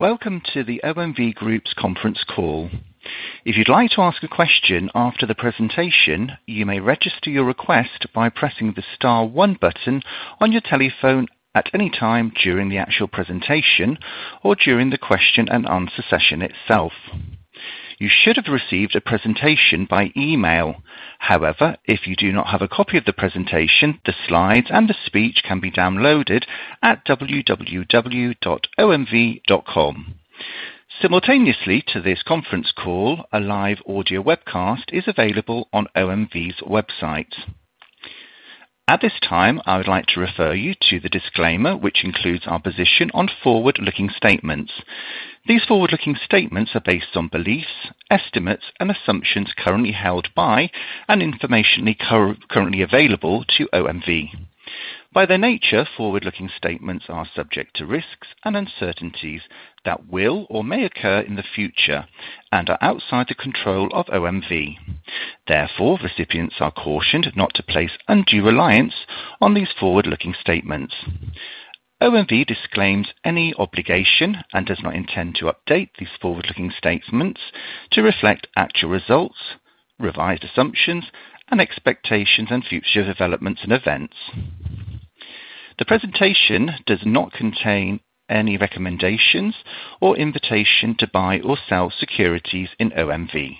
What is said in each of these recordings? Welcome to the OMV Group's conference call. If you'd like to ask a question after the presentation, you may register your request by pressing the star one button on your telephone at any time during the actual presentation or during the question and answer session itself. You should have received a presentation by email. However, if you do not have a copy of the presentation, the slides and the speech can be downloaded at www.omv.com. Simultaneously to this conference call, a live audio webcast is available on OMV's website. At this time, I would like to refer you to the disclaimer, which includes our position on forward-looking statements. These forward-looking statements are based on beliefs, estimates, and assumptions currently held by and information currently available to OMV. By their nature, forward-looking statements are subject to risks and uncertainties that will or may occur in the future and are outside the control of OMV. Therefore, recipients are cautioned not to place undue reliance on these forward-looking statements. OMV disclaims any obligation and does not intend to update these forward-looking statements to reflect actual results, revised assumptions and expectations and future developments and events. The presentation does not contain any recommendations or invitation to buy or sell securities in OMV.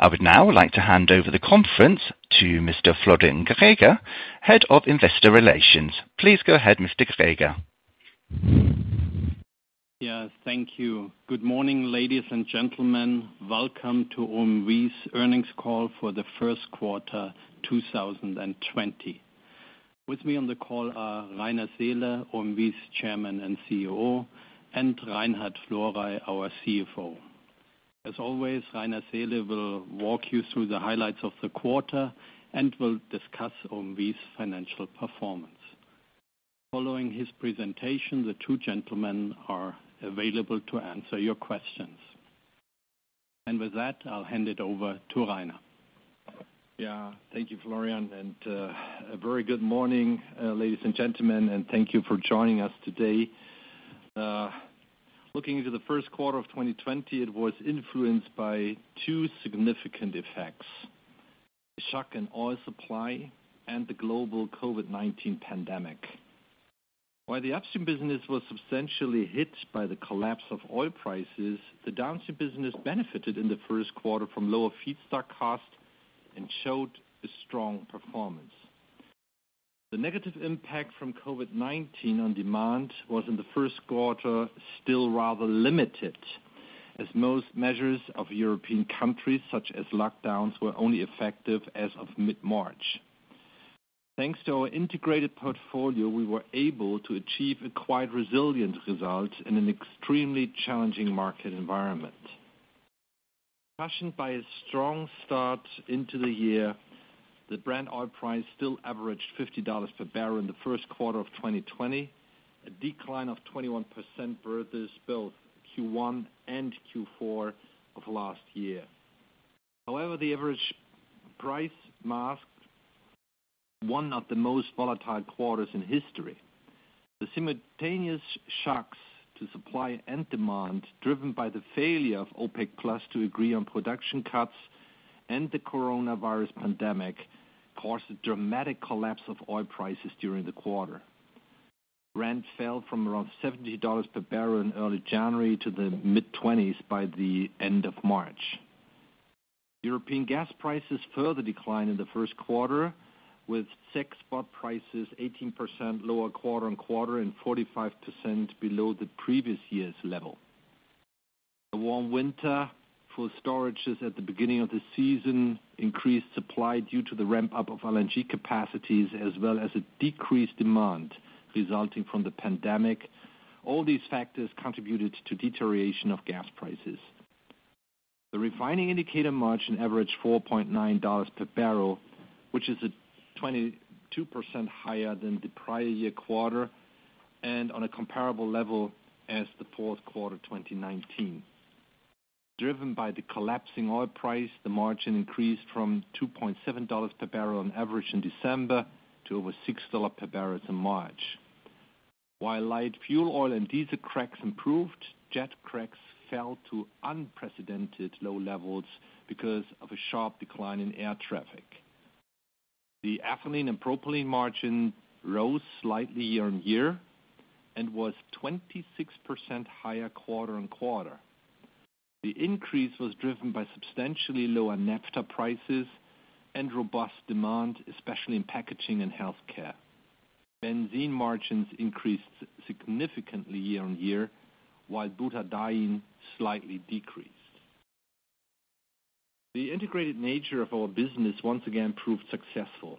I would now like to hand over the conference to Mr. Florian Greger, Head of Investor Relations. Please go ahead, Mr. Greger. Yes, thank you. Good morning, ladies and gentlemen. Welcome to OMV's earnings call for the first quarter 2020. With me on the call are Rainer Seele, OMV's Chairman and CEO, and Reinhard Florey, our CFO. As always, Rainer Seele will walk you through the highlights of the quarter and will discuss OMV's financial performance. Following his presentation, the two gentlemen are available to answer your questions. With that, I'll hand it over to Rainer. Thank you, Florian. A very good morning, ladies and gentlemen. Thank you for joining us today. Looking into the first quarter of 2020, it was influenced by two significant effects, the shock in oil supply and the global COVID-19 pandemic. While the upstream business was substantially hit by the collapse of oil prices, the downstream business benefited in the first quarter from lower feedstock cost and showed a strong performance. The negative impact from COVID-19 on demand was in the first quarter, still rather limited, as most measures of European countries, such as lockdowns, were only effective as of mid-March. Thanks to our integrated portfolio, we were able to achieve a quite resilient result in an extremely challenging market environment. Despite a strong start into the year, the Brent oil price still averaged $50 per barrel in the first quarter of 2020, a decline of 21% versus both Q1 and Q4 of last year. The average price masked one of the most volatile quarters in history. The simultaneous shocks to supply and demand, driven by the failure of OPEC+ to agree on production cuts and the coronavirus pandemic, caused a dramatic collapse of oil prices during the quarter. Brent fell from around $70 per barrel in early January to the mid-20s by the end of March. European gas prices further declined in the first quarter, with CEGH spot prices 18% lower quarter on quarter and 45% below the previous year's level. A warm winter, full storages at the beginning of the season, increased supply due to the ramp-up of LNG capacities, as well as a decreased demand resulting from the pandemic. All these factors contributed to deterioration of gas prices. The refining indicator margin averaged $4.90 per barrel, which is 22% higher than the prior year quarter, and on a comparable level as the fourth quarter 2019. Driven by the collapsing oil price, the margin increased from $2.70 per barrel on average in December to over $6 per barrel in March. While light fuel oil and diesel cracks improved, jet cracks fell to unprecedented low levels because of a sharp decline in air traffic. The ethylene and propylene margin rose slightly year-on-year and was 26% higher quarter-on-quarter. The increase was driven by substantially lower naphtha prices and robust demand, especially in packaging and healthcare. Benzene margins increased significantly year-on-year, while butadiene slightly decreased. The integrated nature of our business once again proved successful.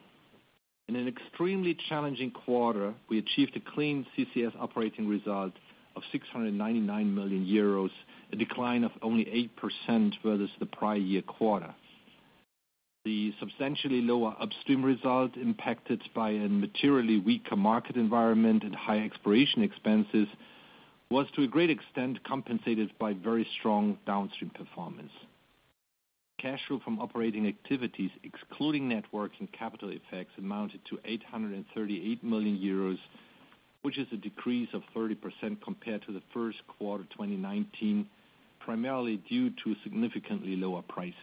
In an extremely challenging quarter, we achieved a clean CCS operating result of 699 million euros, a decline of only 8% versus the prior year quarter. The substantially lower Upstream result, impacted by a materially weaker market environment and high exploration expenses, was to a great extent compensated by very strong Downstream performance. Cash flow from operating activities, excluding net works and capital effects, amounted to 838 million euros, which is a decrease of 30% compared to the first quarter 2019, primarily due to significantly lower prices.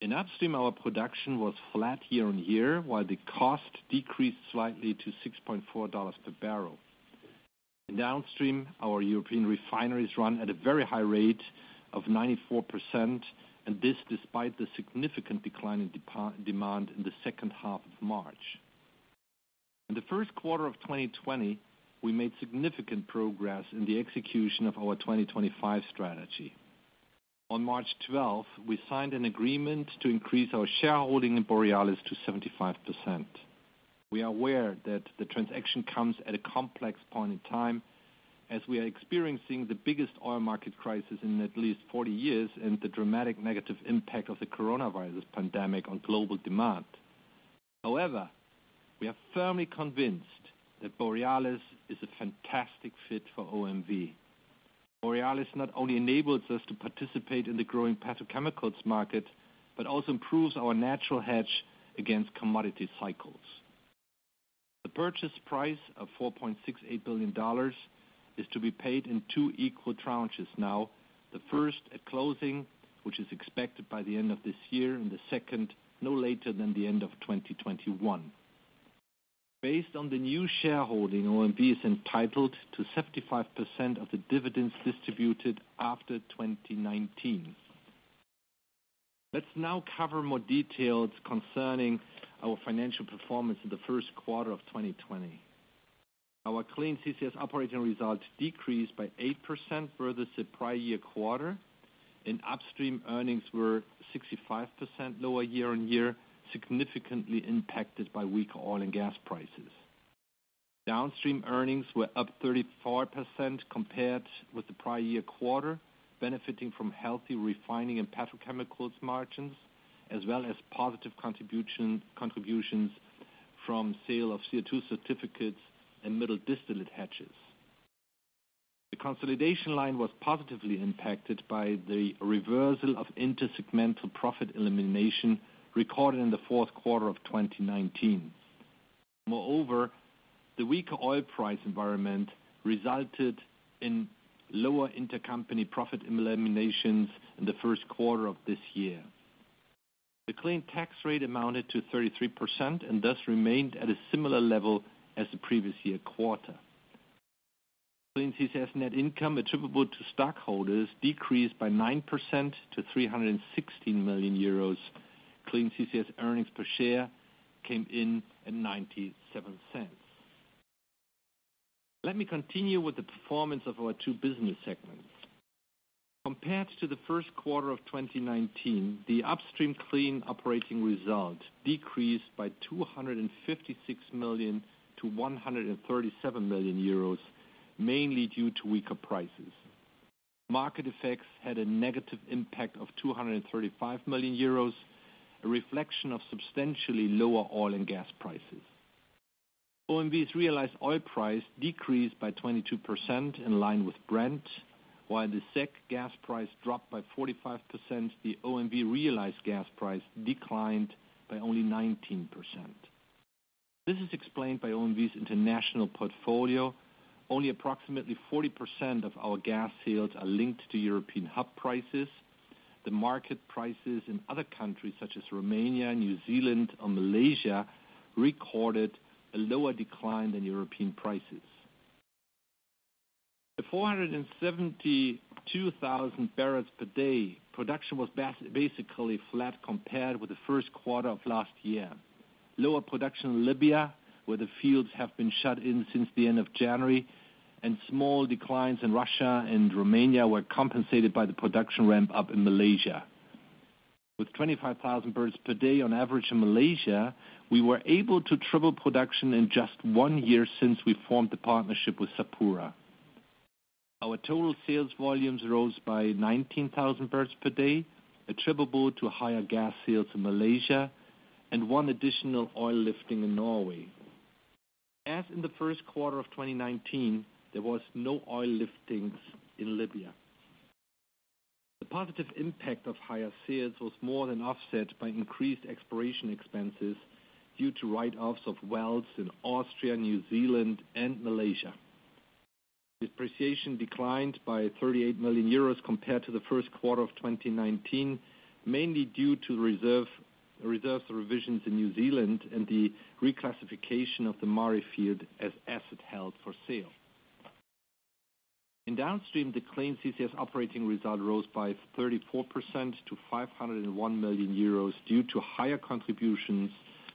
In Upstream, our production was flat year-on-year, while the cost decreased slightly to $6.4 per barrel. In Downstream, our European refineries run at a very high rate of 94%, and this despite the significant decline in demand in the second half of March. In the first quarter of 2020, we made significant progress in the execution of our 2025 strategy. On March 12th, we signed an agreement to increase our shareholding in Borealis to 75%. We are aware that the transaction comes at a complex point in time, as we are experiencing the biggest oil market crisis in at least 40 years and the dramatic negative impact of the coronavirus pandemic on global demand. However, we are firmly convinced that Borealis is a fantastic fit for OMV. Borealis not only enables us to participate in the growing petrochemicals market, but also improves our natural hedge against commodity cycles. The purchase price of EUR 4.68 billion is to be paid in two equal tranches now, the first at closing, which is expected by the end of this year, and the second, no later than the end of 2021. Based on the new shareholding, OMV is entitled to 75% of the dividends distributed after 2019. Let's now cover more details concerning our financial performance in the first quarter of 2020. Our Clean CCS operating results decreased by 8% versus the prior year quarter, and upstream earnings were 65% lower year-on-year, significantly impacted by weaker oil and gas prices. Downstream earnings were up 34% compared with the prior year quarter, benefiting from healthy refining and petrochemicals margins, as well as positive contributions from sale of CO2 certificates and middle distillate hedges. The consolidation line was positively impacted by the reversal of intersegmental profit elimination recorded in the fourth quarter of 2019. The weaker oil price environment resulted in lower intercompany profit eliminations in the first quarter of this year. The clean tax rate amounted to 33% and thus remained at a similar level as the previous year quarter. Clean CCS net income attributable to stockholders decreased by 9% to 316 million euros. Clean CCS earnings per share came in at 0.97. Let me continue with the performance of our two business segments. Compared to the first quarter of 2019, the Upstream clean operating result decreased by 256 million-137 million euros, mainly due to weaker prices. Market effects had a negative impact of 235 million euros, a reflection of substantially lower oil and gas prices. OMV's realized oil price decreased by 22% in line with Brent, while the SEC gas price dropped by 45%, the OMV realized gas price declined by only 19%. This is explained by OMV's international portfolio. Only approximately 40% of our gas sales are linked to European hub prices. The market prices in other countries such as Romania, New Zealand, and Malaysia recorded a lower decline than European prices. At 472,000 barrels per day, production was basically flat compared with the first quarter of last year. Lower production in Libya, where the fields have been shut in since the end of January, and small declines in Russia and Romania were compensated by the production ramp-up in Malaysia. With 25,000 barrels per day on average in Malaysia, we were able to triple production in just one year since we formed the partnership with Sapura. Our total sales volumes rose by 19,000 barrels per day, attributable to higher gas sales in Malaysia and one additional oil lifting in Norway. As in the first quarter of 2019, there was no oil liftings in Libya. The positive impact of higher sales was more than offset by increased exploration expenses due to write-offs of wells in Austria, New Zealand, and Malaysia. Depreciation declined by 38 million euros compared to the first quarter of 2019, mainly due to the reserves revisions in New Zealand and the reclassification of the Maari field as asset held for sale. In Downstream, the Clean CCS operating result rose by 34% to 501 million euros due to higher contributions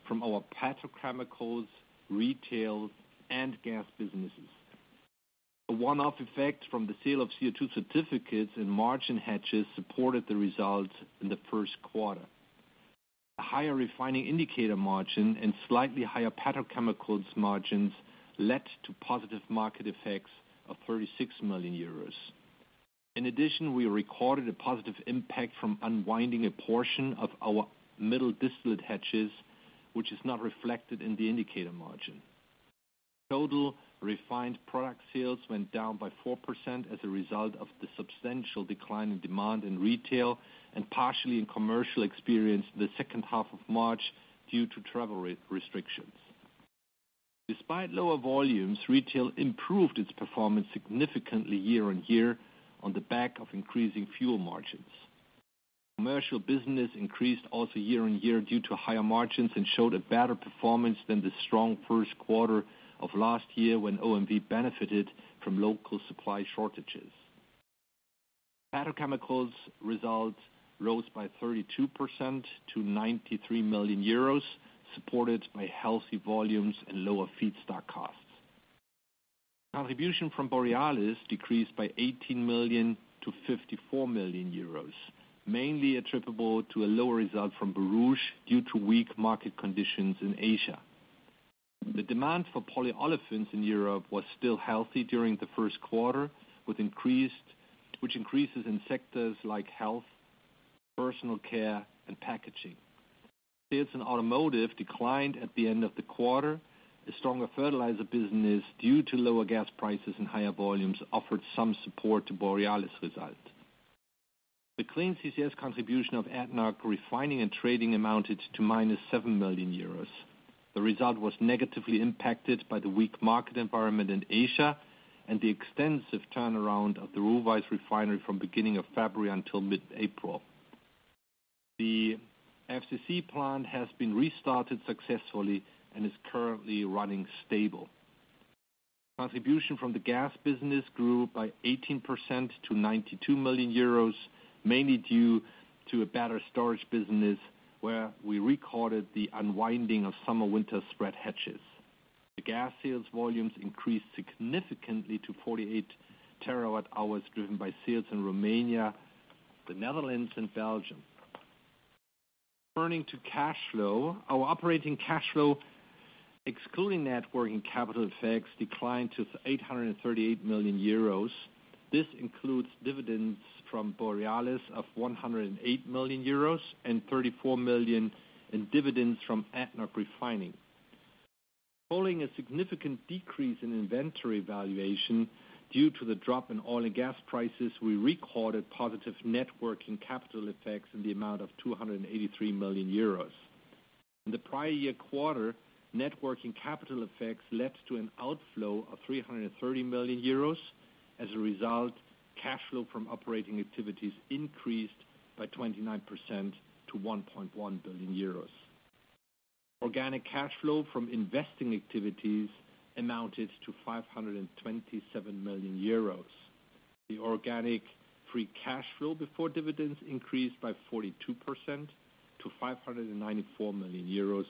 from our petrochemicals, retail, and gas businesses. A one-off effect from the sale of CO2 certificates and margin hedges supported the results in the first quarter. A higher refining indicator margin and slightly higher petrochemicals margins led to positive market effects of 36 million euros. In addition, we recorded a positive impact from unwinding a portion of our middle distillate hedges, which is not reflected in the indicator margin. Total refined product sales went down by 4% as a result of the substantial decline in demand in retail, and partially in commercial, experienced the second half of March due to travel restrictions. Despite lower volumes, retail improved its performance significantly year-over-year on the back of increasing fuel margins. Commercial business increased also year-over-year due to higher margins and showed a better performance than the strong first quarter of last year when OMV benefited from local supply shortages. Petrochemicals results rose by 32% to 93 million euros, supported by healthy volumes and lower feedstock costs. Contribution from Borealis decreased by 18 million-54 million euros, mainly attributable to a lower result from Borouge due to weak market conditions in Asia. The demand for polyolefins in Europe was still healthy during the first quarter, which increases in sectors like health, personal care, and packaging. Sales in automotive declined at the end of the quarter. The stronger fertilizer business, due to lower gas prices and higher volumes, offered some support to Borealis result. The Clean CCS contribution of ADNOC Refining & Trading amounted to -7 million euros. The result was negatively impacted by the weak market environment in Asia and the extensive turnaround of the Ruwais Refinery from beginning of February until mid-April. The FCC plant has been restarted successfully and is currently running stable. Contribution from the gas business grew by 18% to 92 million euros, mainly due to a better storage business, where we recorded the unwinding of summer-winter spread hedges. The gas sales volumes increased significantly to 48 TWh, driven by sales in Romania, the Netherlands, and Belgium. Turning to cash flow, our operating cash flow, excluding net working capital effects, declined to 838 million euros. This includes dividends from Borealis of 108 million euros and 34 million in dividends from ADNOC Refining. Following a significant decrease in inventory valuation due to the drop in oil and gas prices, we recorded positive net working capital effects in the amount of 283 million euros. In the prior year quarter, net working capital effects led to an outflow of 330 million euros. As a result, cash flow from operating activities increased by 29% to 1.1 billion euros. Organic cash flow from investing activities amounted to 527 million euros. The organic free cash flow before dividends increased by 42% to 594 million euros,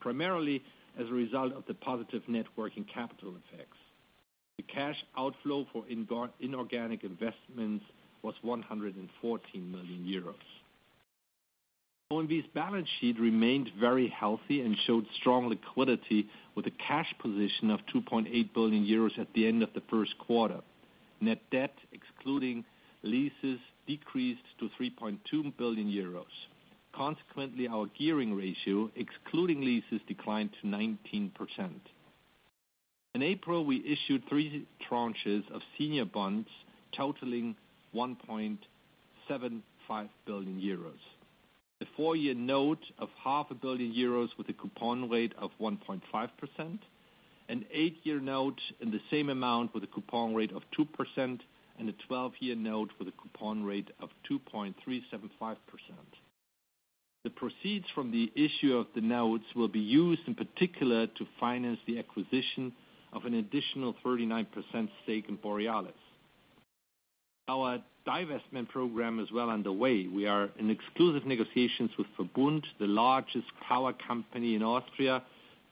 primarily as a result of the positive net working capital effects. The cash outflow for inorganic investments was 114 million euros. OMV's balance sheet remained very healthy and showed strong liquidity with a cash position of 2.8 billion euros at the end of the first quarter. Net debt, excluding leases, decreased to 3.2 billion euros. Consequently, our gearing ratio, excluding leases, declined to 19%. In April, we issued three tranches of senior bonds totaling 1.75 billion euros. The four-year note of half a billion EUR with a coupon rate of 1.5%, an eight-year note in the same amount with a coupon rate of 2%, and a 12-year note with a coupon rate of 2.375%. The proceeds from the issue of the notes will be used in particular to finance the acquisition of an additional 39% stake in Borealis. Our divestment program is well underway. We are in exclusive negotiations with VERBUND, the largest power company in Austria,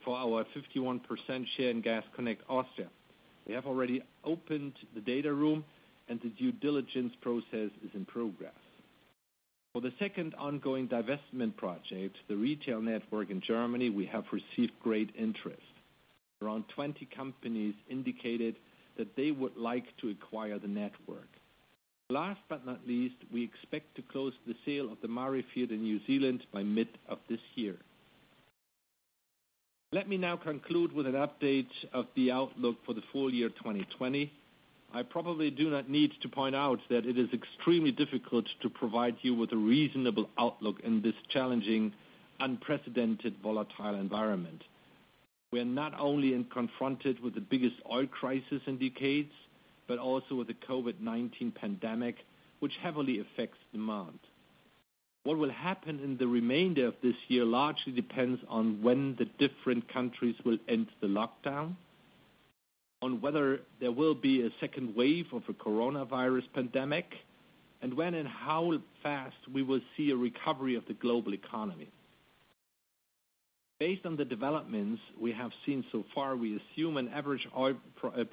for our 51% share in Gas Connect Austria. We have already opened the data room and the due diligence process is in progress. For the second ongoing divestment project, the retail network in Germany, we have received great interest. Around 20 companies indicated that they would like to acquire the network. Last but not least, we expect to close the sale of the Maari field in New Zealand by mid of this year. Let me now conclude with an update of the outlook for the full year 2020. I probably do not need to point out that it is extremely difficult to provide you with a reasonable outlook in this challenging, unprecedented, volatile environment. We are not only confronted with the biggest oil crisis in decades, but also with the COVID-19 pandemic, which heavily affects demand. What will happen in the remainder of this year largely depends on when the different countries will end the lockdown, on whether there will be a second wave of a coronavirus pandemic, and when and how fast we will see a recovery of the global economy. Based on the developments we have seen so far, we assume an average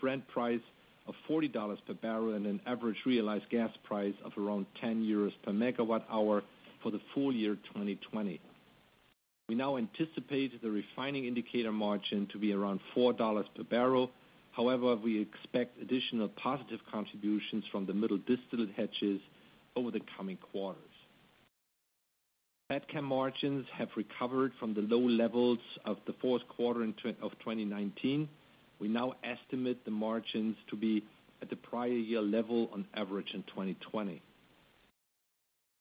Brent price of $40 per barrel and an average realized gas price of around 10 euros per megawatt hour for the full year 2020. We now anticipate the refining indicator margin to be around $4 per barrel. We expect additional positive contributions from the middle distillate hedges over the coming quarters. Petchem margins have recovered from the low levels of the fourth quarter of 2019. We now estimate the margins to be at the prior year level on average in 2020.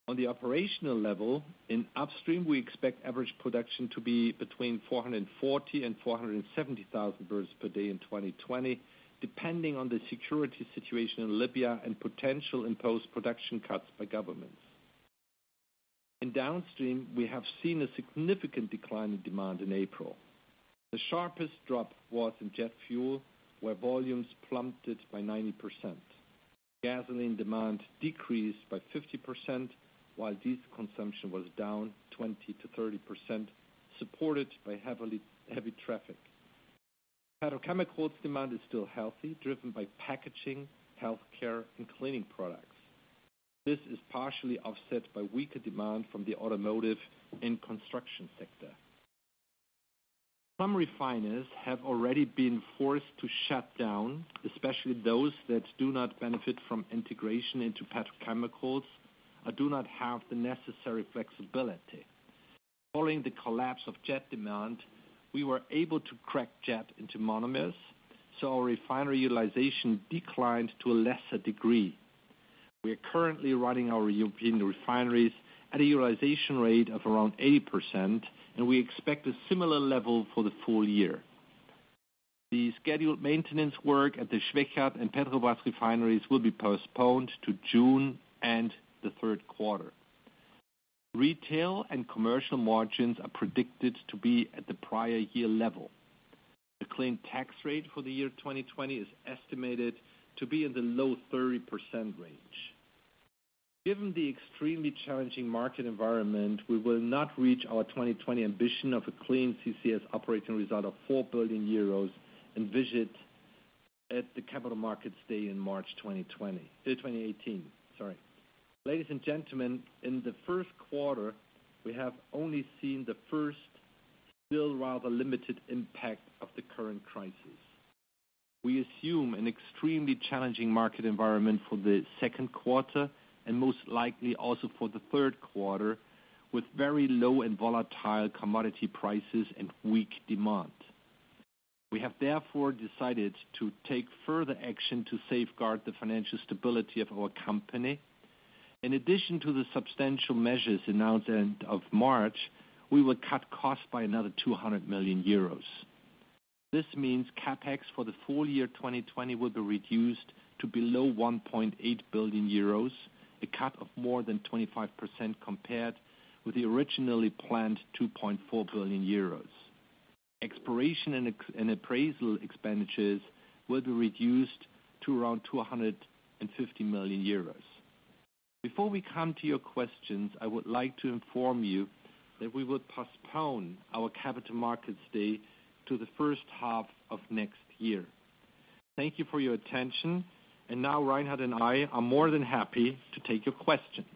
On the operational level, in upstream, we expect average production to be between 440-470,000 barrels per day in 2020, depending on the security situation in Libya and potential imposed production cuts by governments. In downstream, we have seen a significant decline in demand in April. The sharpest drop was in jet fuel, where volumes plummeted by 90%. Gasoline demand decreased by 50%, while diesel consumption was down 20%-30%, supported by heavy traffic. petrochemicals demand is still healthy, driven by packaging, healthcare, and cleaning products. This is partially offset by weaker demand from the automotive and construction sector. Some refiners have already been forced to shut down, especially those that do not benefit from integration into petrochemicals or do not have the necessary flexibility. Following the collapse of jet demand, we were able to crack jet into monomers, so our refinery utilization declined to a lesser degree. We are currently running our European refineries at a utilization rate of around 80%, and we expect a similar level for the full year. The scheduled maintenance work at the Schwechat and Petrobrazi refineries will be postponed to June and the third quarter. Retail and commercial margins are predicted to be at the prior year level. The clean tax rate for the year 2020 is estimated to be in the low 30% range. Given the extremely challenging market environment, we will not reach our 2020 ambition of a clean CCS operating result of 4 billion euros envisaged at the Capital Markets Day in March 2018. Ladies and gentlemen, in the first quarter, we have only seen the first still rather limited impact of the current crisis. We assume an extremely challenging market environment for the second quarter, and most likely also for the third quarter, with very low and volatile commodity prices and weak demand. We have therefore decided to take further action to safeguard the financial stability of our company. In addition to the substantial measures announced end of March, we will cut costs by another 200 million euros. This means CapEx for the full year 2020 will be reduced to below 1.8 billion euros, a cut of more than 25% compared with the originally planned 2.4 billion euros. Exploration and appraisal expenditures will be reduced to around 250 million euros. Before we come to your questions, I would like to inform you that we will postpone our Capital Markets Day to the first half of next year. Thank you for your attention. Now Reinhard and I are more than happy to take your questions.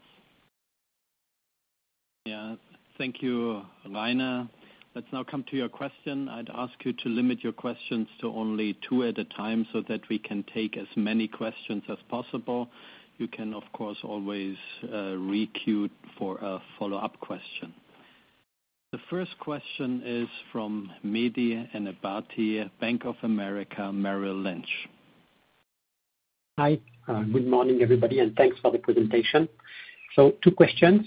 Yeah. Thank you, Rainer. Let's now come to your question. I'd ask you to limit your questions to only two at a time so that we can take as many questions as possible. You can, of course, always re-queue for a follow-up question. The first question is fromMehdi Ennebati, Bank of America Hi. Good morning, everybody, and thanks for the presentation. Two questions.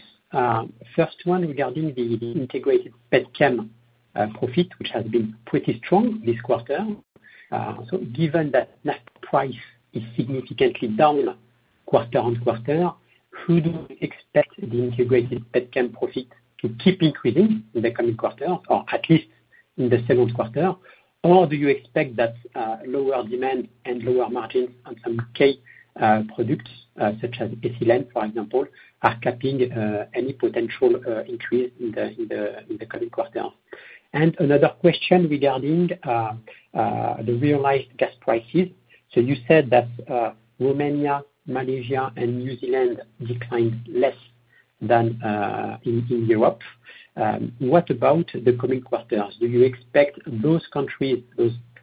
First one regarding the integrated petchem profit, which has been pretty strong this quarter. Given that net price is significantly down quarter-on-quarter, who do you expect the integrated petchem profit to keep increasing in the coming quarter or at least in the second quarter? Do you expect that lower demand and lower margins on some key products, such as ethylene, for example, are capping any potential increase in the coming quarter? Another question regarding the realized gas prices. You said that Romania, Malaysia, and New Zealand declined less than in Europe. What about the coming quarters? Do you expect those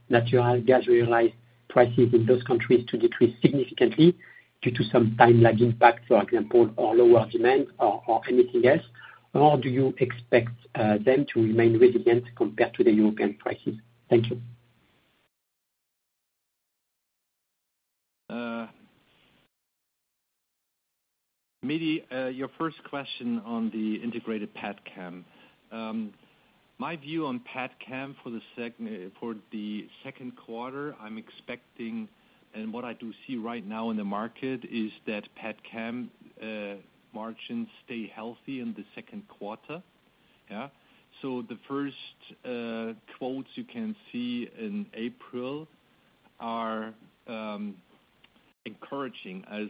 natural gas realized prices in those countries to decrease significantly due to some time lag impact, for example, or lower demand or anything else? Do you expect them to remain resilient compared to the European prices? Thank you. Mehdi, your first question on the integrated petchem. My view on petchem for the second quarter, I'm expecting, and what I do see right now in the market is that petchem margins stay healthy in the second quarter. Yeah. The first quotes you can see in April are encouraging us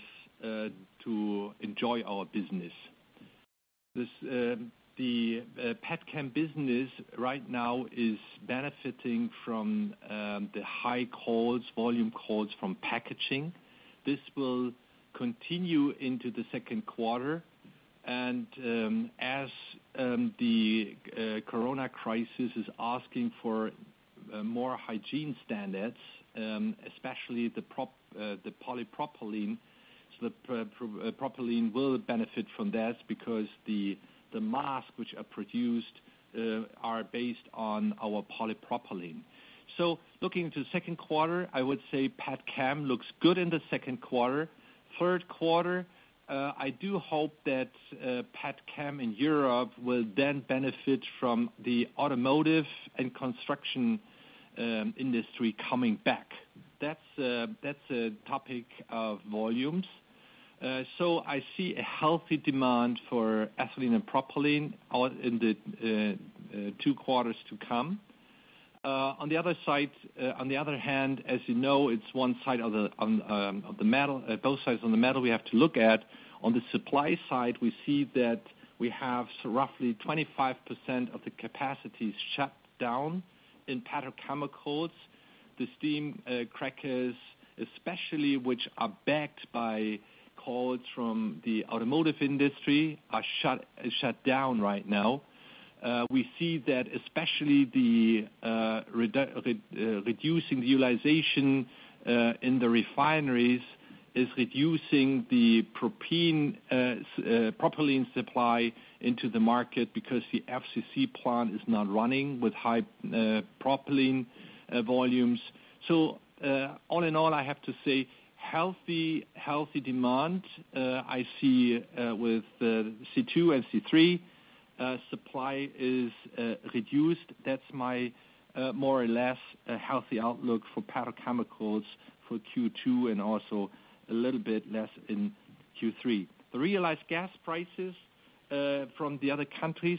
to enjoy our business. The petchem business right now is benefiting from the high volume calls from packaging. This will continue into the second quarter, and as the corona crisis is asking for more hygiene standards, especially the polypropylene. The propylene will benefit from that because the masks which are produced are based on our polypropylene. Looking to the second quarter, I would say petchem looks good in the second quarter. Third quarter, I do hope that petchem in Europe will then benefit from the automotive and construction industry coming back. That's a topic of volumes. I see a healthy demand for ethylene and propylene in the two quarters to come. On the other hand, as you know, it's both sides of the metal we have to look at. On the supply side, we see that we have roughly 25% of the capacities shut down in petrochemicals. The steam crackers, especially, which are backed by calls from the automotive industry, are shut down right now. We see that especially the reducing the utilization in the refineries is reducing the propylene supply into the market because the FCC plant is not running with high propylene volumes. All in all, I have to say healthy demand I see with the C2 and C3. Supply is reduced. That's my more or less healthy outlook for petrochemicals for Q2 and also a little bit less in Q3. The realized gas prices from the other countries,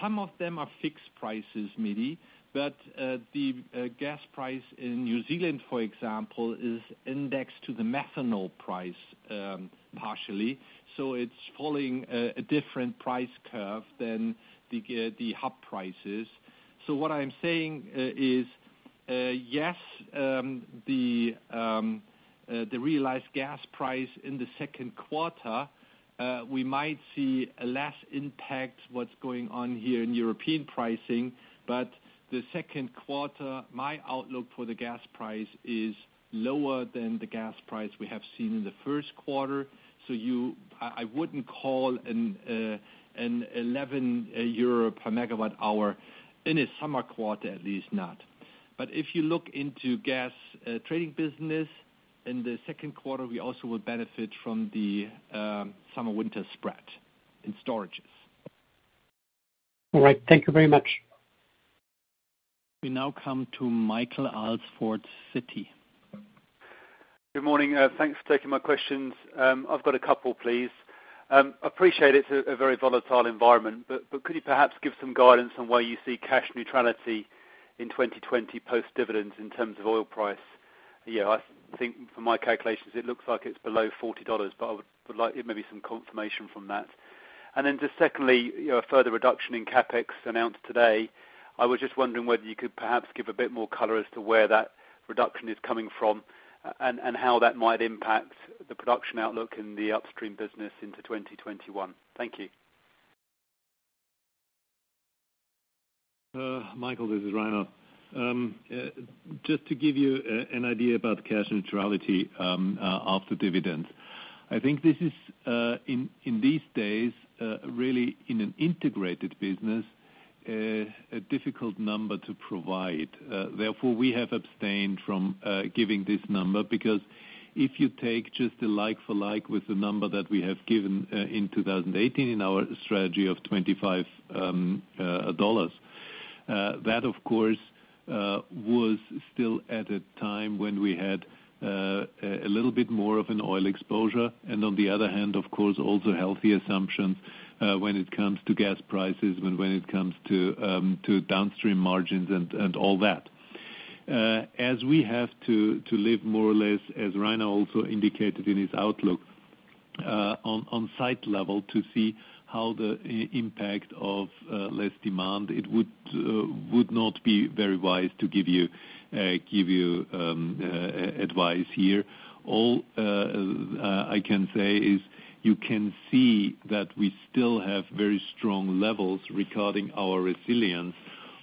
some of them are fixed prices, Mehdi, but the gas price in New Zealand, for example, is indexed to the methanol price, partially. It's following a different price curve than the hub prices. What I'm saying is, yes, the realized gas price in the second quarter, we might see a less impact what's going on here in European pricing. The second quarter, my outlook for the gas price is lower than the gas price we have seen in the first quarter. I wouldn't call an 11 euro per megawatt hour in a summer quarter, at least not. If you look into gas trading business, in the second quarter, we also will benefit from the summer/winter spread in storages. All right. Thank you very much. We now come to Michael Alsford, Citi. Good morning. Thanks for taking my questions. I've got a couple, please. Appreciate it's a very volatile environment, but could you perhaps give some guidance on where you see cash neutrality in 2020 post-dividends in terms of oil price? I think from my calculations it looks like it's below $40, but I would like maybe some confirmation from that. Then just secondly, a further reduction in CapEx announced today. I was just wondering whether you could perhaps give a bit more color as to where that reduction is coming from and how that might impact the production outlook in the upstream business into 2021. Thank you. Michael, this is Rainer. Just to give you an idea about cash neutrality after dividends. I think this is, in these days, really in an integrated business, a difficult number to provide. We have abstained from giving this number because if you take just a like for like with the number that we have given in 2018 in our strategy of $25, that of course, was still at a time when we had a little bit more of an oil exposure. On the other hand, of course, also healthy assumptions when it comes to gas prices, when it comes to downstream margins and all that. As we have to live more or less, as Rainer also indicated in his outlook, on-site level to see how the impact of less demand, it would not be very wise to give you advice here. All I can say is you can see that we still have very strong levels regarding our resilience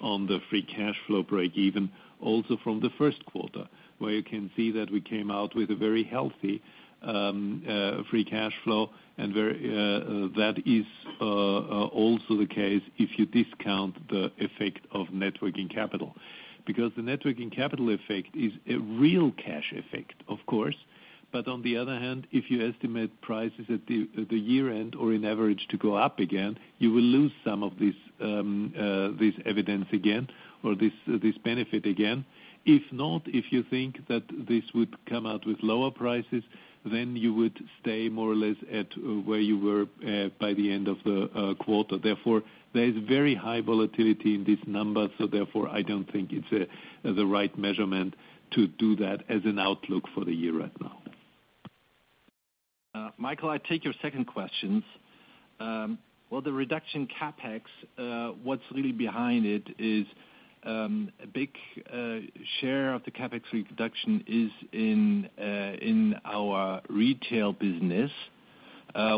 on the free cash flow break even also from the first quarter, where you can see that we came out with a very healthy free cash flow. That is also the case if you discount the effect of net working capital. The net working capital effect is a real cash effect, of course, but on the other hand, if you estimate prices at the year-end or in average to go up again, you will lose some of this evidence again or this benefit again. If not, if you think that this would come out with lower prices, then you would stay more or less at where you were by the end of the quarter. Therefore, there is very high volatility in this number, therefore, I don't think it's the right measurement to do that as an outlook for the year right now. Michael, I take your second questions. Well, the reduction in CapEx, what's really behind it is a big share of the CapEx reduction is in our retail business.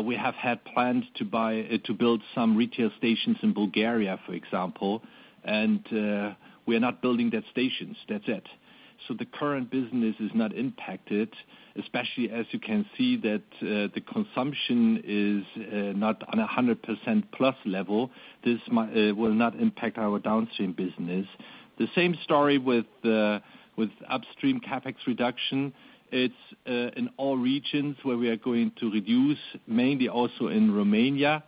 We have had plans to build some retail stations in Bulgaria, for example. We are not building that stations. That's it. The current business is not impacted, especially as you can see that the consumption is not on 100% plus level. This will not impact our downstream business. The same story with upstream CapEx reduction. It's in all regions where we are going to reduce, mainly also in Romania.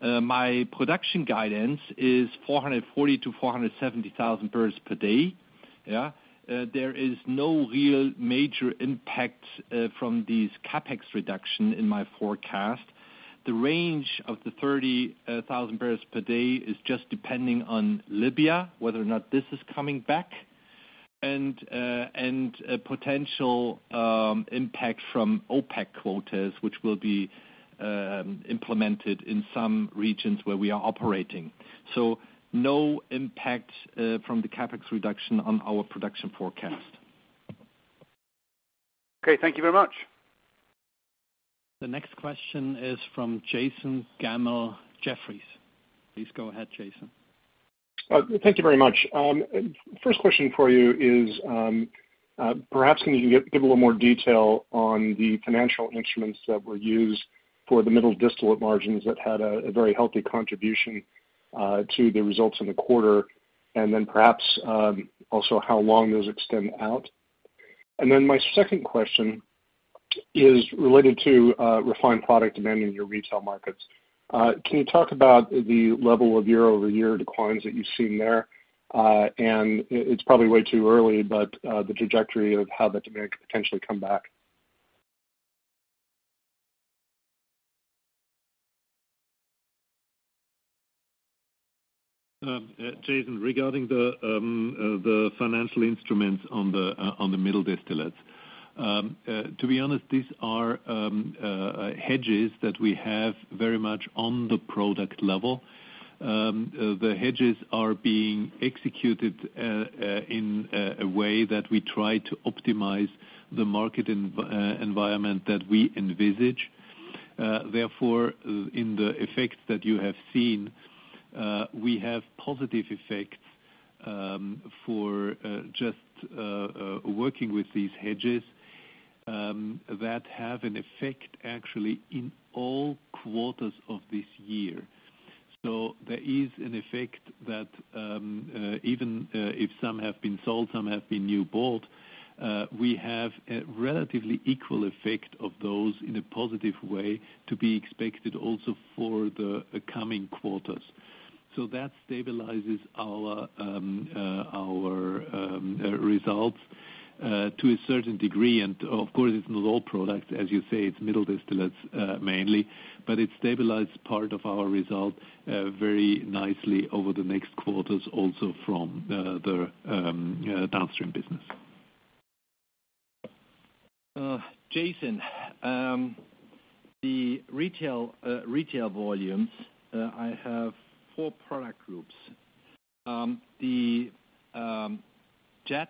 My production guidance is 440-470,000 barrels per day. There is no real major impact from these CapEx reduction in my forecast. The range of the 30,000 barrels per day is just depending on Libya, whether or not this is coming back, and a potential impact from OPEC quotas, which will be implemented in some regions where we are operating. No impact from the CapEx reduction on our production forecast. Okay. Thank you very much. The next question is from Jason Gammel, Jefferies. Please go ahead, Jason. Thank you very much. First question for you is perhaps can you give a little more detail on the financial instruments that were used for the middle distillate margins that had a very healthy contribution to the results in the quarter, and then perhaps also how long those extend out. My second question is related to refined product demand in your retail markets. Can you talk about the level of year-over-year declines that you've seen there? It's probably way too early, but the trajectory of how that demand could potentially come back. Jason, regarding the financial instruments on the middle distillates. To be honest, these are hedges that we have very much on the product level. The hedges are being executed in a way that we try to optimize the market environment that we envisage. Therefore, in the effects that you have seen, we have positive effects for just working with these hedges, that have an effect actually in all quarters of this year. There is an effect that even if some have been sold, some have been new bought, we have a relatively equal effect of those in a positive way to be expected also for the coming quarters. That stabilizes our results to a certain degree. Of course, it's not all products, as you say it's middle distillates mainly, but it stabilizes part of our result very nicely over the next quarters also from the downstream business. Jason, the retail volumes, I have four product groups. The jet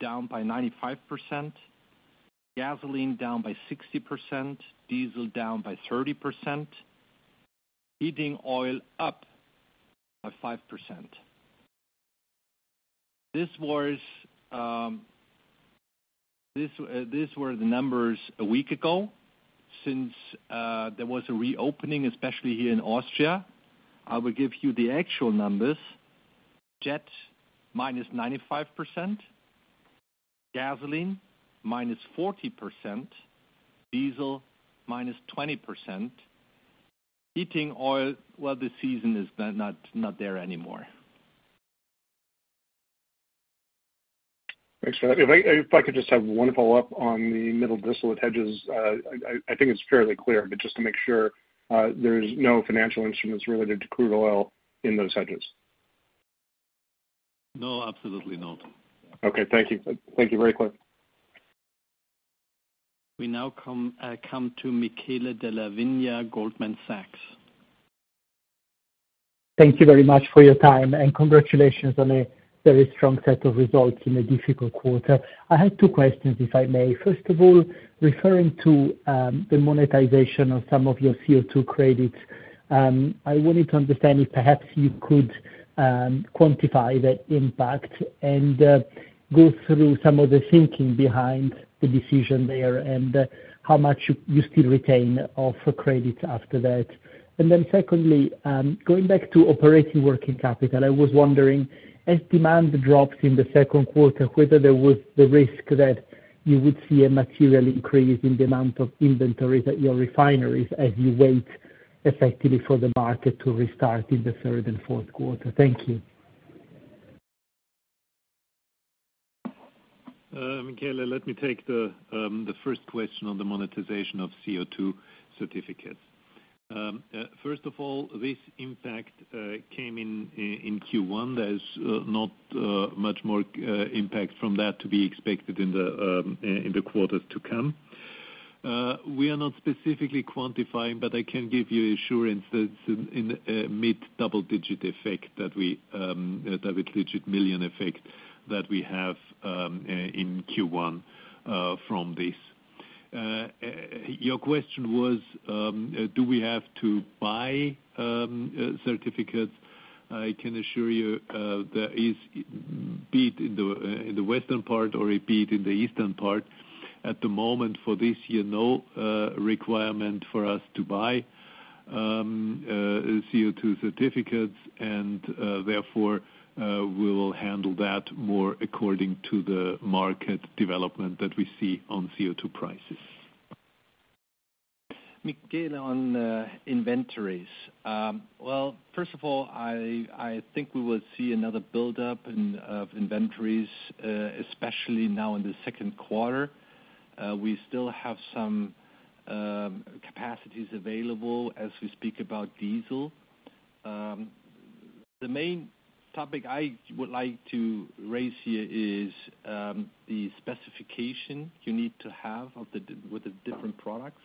down by 95%, gasoline down by 60%, diesel down by 30%, heating oil up by 5%. These were the numbers one week ago. Since there was a reopening, especially here in Austria, I will give you the actual numbers. Jet -95%, gasoline -40%, diesel -20%, heating oil, well, the season is not there anymore. Thanks for that. If I could just have one follow-up on the middle distillate hedges. I think it's fairly clear, but just to make sure, there's no financial instruments related to crude oil in those hedges. No, absolutely not. Okay. Thank you. Thank you, very clear. We now come to Michele Della Vigna, Goldman Sachs. Thank you very much for your time, and congratulations on a very strong set of results in a difficult quarter. I have two questions, if I may. First of all, referring to the monetization of some of your CO2 credits, I wanted to understand if perhaps you could quantify that impact and go through some of the thinking behind the decision there and how much you still retain of credits after that. Secondly, going back to operating working capital, I was wondering as demand drops in the second quarter, whether there was the risk that you would see a material increase in the amount of inventory at your refineries as you wait effectively for the market to restart in the third and fourth quarter. Thank you. Michele, let me take the first question on the monetization of CO2 certificates. First of all, this impact came in Q1. There is not much more impact from that to be expected in the quarters to come. We are not specifically quantifying, but I can give you assurance that it's a mid-double-digit effect, double-digit million effect that we have in Q1 from this. Your question was: do we have to buy certificates? I can assure you, there is, be it in the western part or be it in the eastern part, at the moment for this year, no requirement for us to buy CO2 certificates. Therefore, we will handle that more according to the market development that we see on CO2 prices. Michele, on inventories. Well, first of all, I think we will see another buildup of inventories, especially now in the second quarter. We still have some capacities available as we speak about diesel. The main topic I would like to raise here is the specification you need to have with the different products.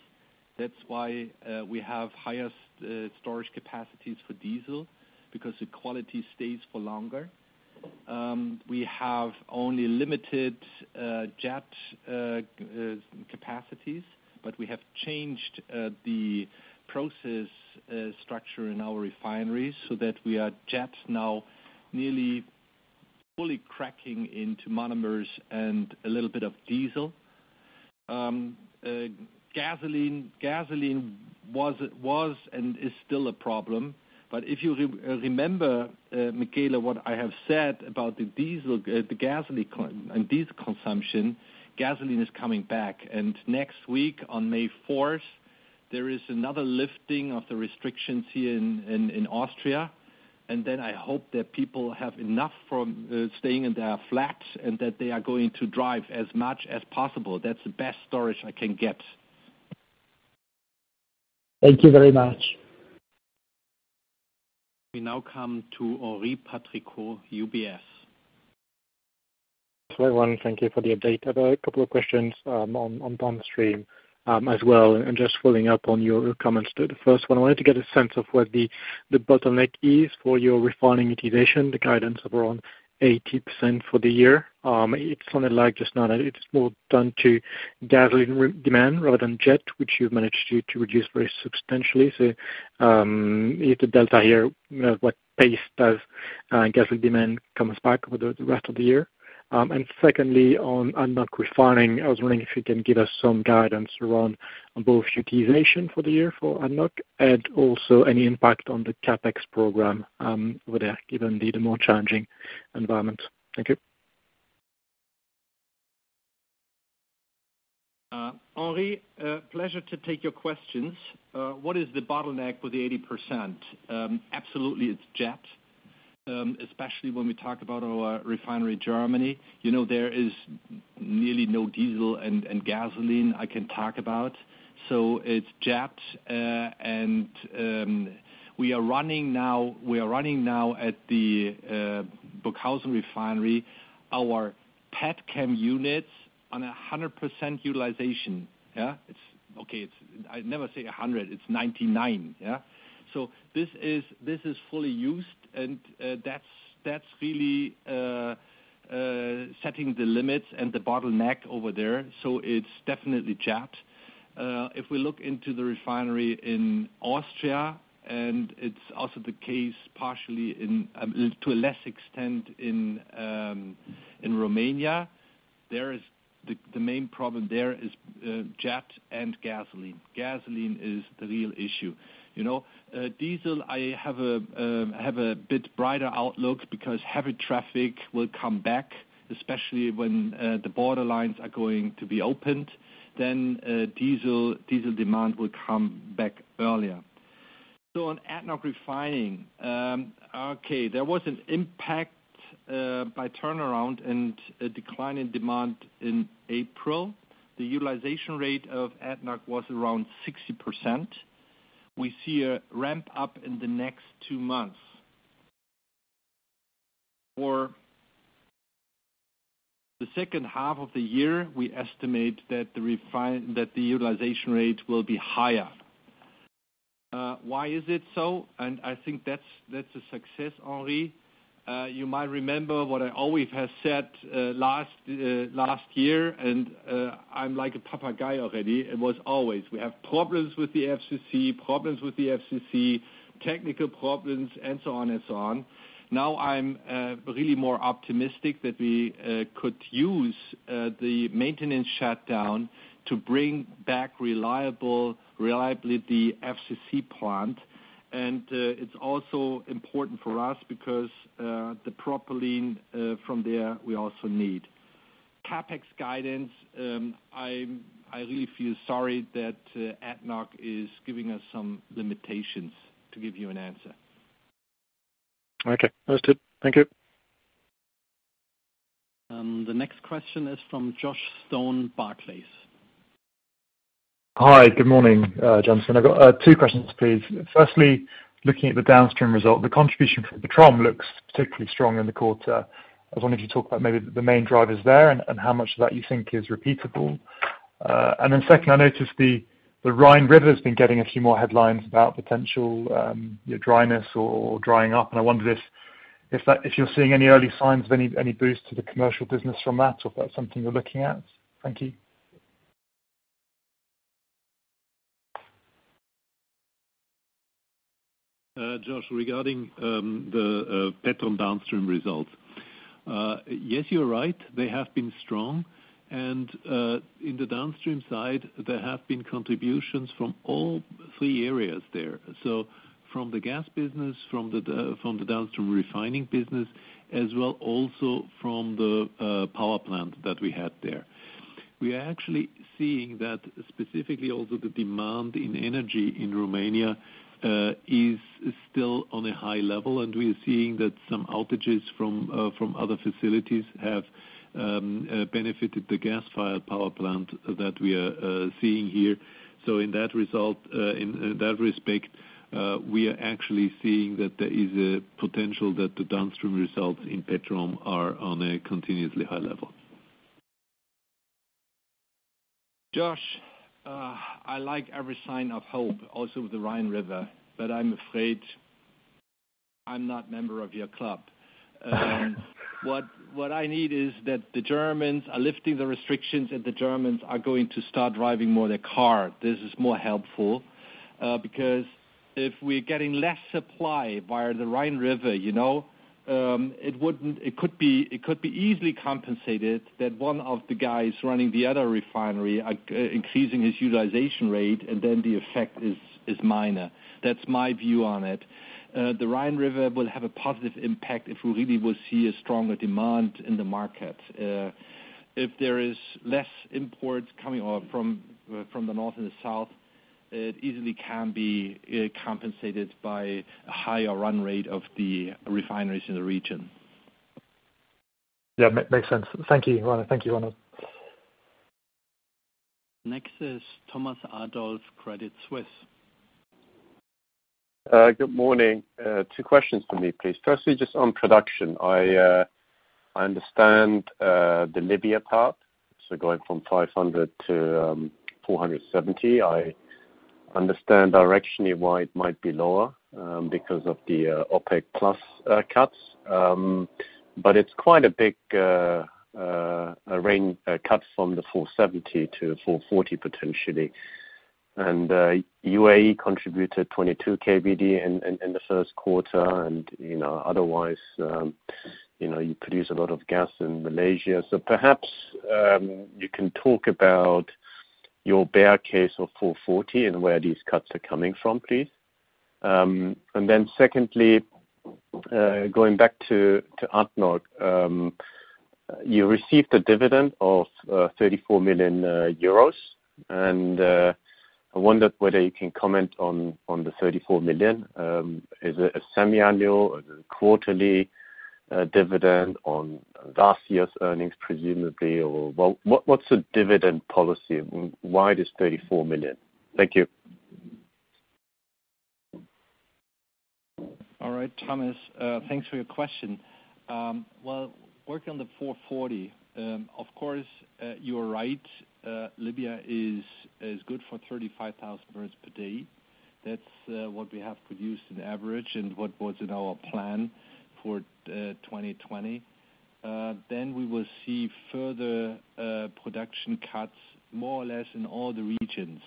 That's why we have higher storage capacities for diesel, because the quality stays for longer. We have only limited jet capacities, but we have changed the process structure in our refineries so that we are jet now nearly fully cracking into monomers and a little bit of diesel. Gasoline was and is still a problem. If you remember, Michele, what I have said about the gasoline and diesel consumption, gasoline is coming back. Next week on May 4th, there is another lifting of the restrictions here in Austria, and then I hope that people have enough from staying in their flats and that they are going to drive as much as possible. That's the best storage I can get. Thank you very much. We now come to Henri Patricot, UBS. Everyone, thank you for the update. I've a couple of questions on downstream as well, and just following up on your comments there. The first one, I wanted to get a sense of where the bottleneck is for your refining utilization, the guidance of around 80% for the year. It sounded like just now that it's more down to gasoline demand rather than jet, which you've managed to reduce very substantially. Is the delta here, what pace does gasoline demand comes back over the rest of the year? Secondly, on ADNOC Refining, I was wondering if you can give us some guidance around on both utilization for the year for ADNOC and also any impact on the CapEx program over there, given indeed a more challenging environment. Thank you. Henri, pleasure to take your questions. What is the bottleneck with the 80%? Absolutely, it's jet. Especially when we talk about our refinery, Germany. There is nearly no diesel and gasoline I can talk about. It's jet, and we are running now at the Burghausen Refinery our pet chem units on 100% utilization. Yeah? Okay, I never say 100, it's 99, yeah? This is fully used and that's really setting the limits and the bottleneck over there. It's definitely jet. If we look into the refinery in Austria, and it's also the case partially to a less extent in Romania, the main problem there is jet and gasoline. Gasoline is the real issue. Diesel, I have a bit brighter outlook because heavy traffic will come back, especially when the borderlines are going to be opened. Diesel demand will come back earlier. On ADNOC refining. Okay, there was an impact by turnaround and a decline in demand in April. The utilization rate of ADNOC was around 60%. We see a ramp-up in the next two months. For the second half of the year, we estimate that the utilization rate will be higher. Why is it so? I think that's a success, Henri. You might remember what I always have said last year, and I'm like a papa guy already. It was always, we have problems with the FCC, technical problems, and so on. Now I'm really more optimistic that we could use the maintenance shutdown to bring back reliability FCC plant. It's also important for us because the propylene from there, we also need. CapEx guidance, I really feel sorry that ADNOC is giving us some limitations to give you an answer. Okay, that's it. Thank you. The next question is from Joshua Stone, Barclays. Hi, good morning, Jonathan. I've got two questions, please. Firstly, looking at the downstream result, the contribution from the Petrom looks particularly strong in the quarter. I was wondering if you talk about maybe the main drivers there and how much of that you think is repeatable. Second, I noticed the Rhine River's been getting a few more headlines about potential dryness or drying up, and I wonder if you're seeing any early signs of any boost to the commercial business from that, or if that's something you're looking at? Thank you. Josh, regarding the Petrom downstream results. Yes, you're right, they have been strong. In the downstream side, there have been contributions from all three areas there. From the gas business, from the downstream refining business, as well also from the power plant that we had there. We are actually seeing that specifically also the demand in energy in Romania is still on a high level, and we are seeing that some outages from other facilities have benefited the gas-fired power plant that we are seeing here. In that respect, we are actually seeing that there is a potential that the downstream results in Petrom are on a continuously high level. Josh, I like every sign of hope, also with the Rhine River, but I'm afraid I'm not member of your club. What I need is that the Germans are lifting the restrictions and the Germans are going to start driving more their car. This is more helpful, because if we're getting less supply via the Rhine River, it could be easily compensated that one of the guys running the other refinery are increasing his utilization rate, and then the effect is minor. That's my view on it. The Rhine River will have a positive impact if we really will see a stronger demand in the market. If there is less imports coming from the north and the south, it easily can be compensated by a higher run rate of the refineries in the region. Yeah, makes sense. Thank you. Thank you, Reinhard. Next is Thomas Adolff, Credit Suisse. Good morning. Two questions from me, please. Firstly, just on production. I understand the Libya part. Going from 500-470. I understand directionally why it might be lower, because of the OPEC+ cuts. It's quite a big cuts from the 470-440, potentially. UAE contributed 22 KBD in the first quarter and otherwise you produce a lot of gas in Malaysia. Perhaps, you can talk about your bear case of 440 and where these cuts are coming from, please. Secondly, going back to ADNOC. You received a dividend of 34 million euros, I wondered whether you can comment on the 34 million. Is it a semiannual, a quarterly dividend on last year's earnings, presumably? What's the dividend policy? Why it is 34 million? Thank you. All right, Thomas. Thanks for your question. Well, working on the 440, of course, you are right. Libya is good for 35,000 barrels per day. That's what we have produced in average and what was in our plan for 2020. We will see further production cuts, more or less in all the regions.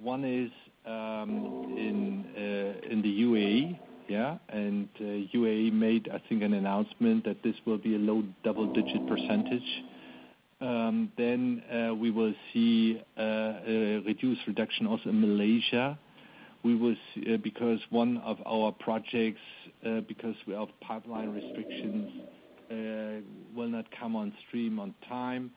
One is in the UAE. UAE made, I think, an announcement that this will be a low double-digit percentage. We will see a reduced reduction also in Malaysia. One of our projects, because we have pipeline restrictions, will not come on stream on time.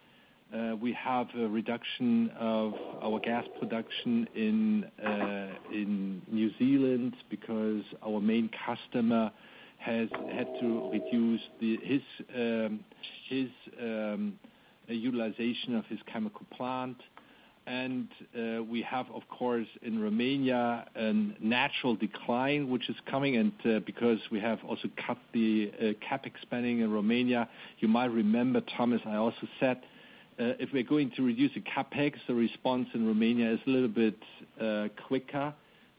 We have a reduction of our gas production in New Zealand because our main customer has had to reduce his utilization of his chemical plant. We have, of course, in Romania, a natural decline which is coming, and because we have also cut the CapEx spending in Romania. You might remember, Thomas, I also said, if we are going to reduce the CapEx, the response in Romania is a little bit quicker.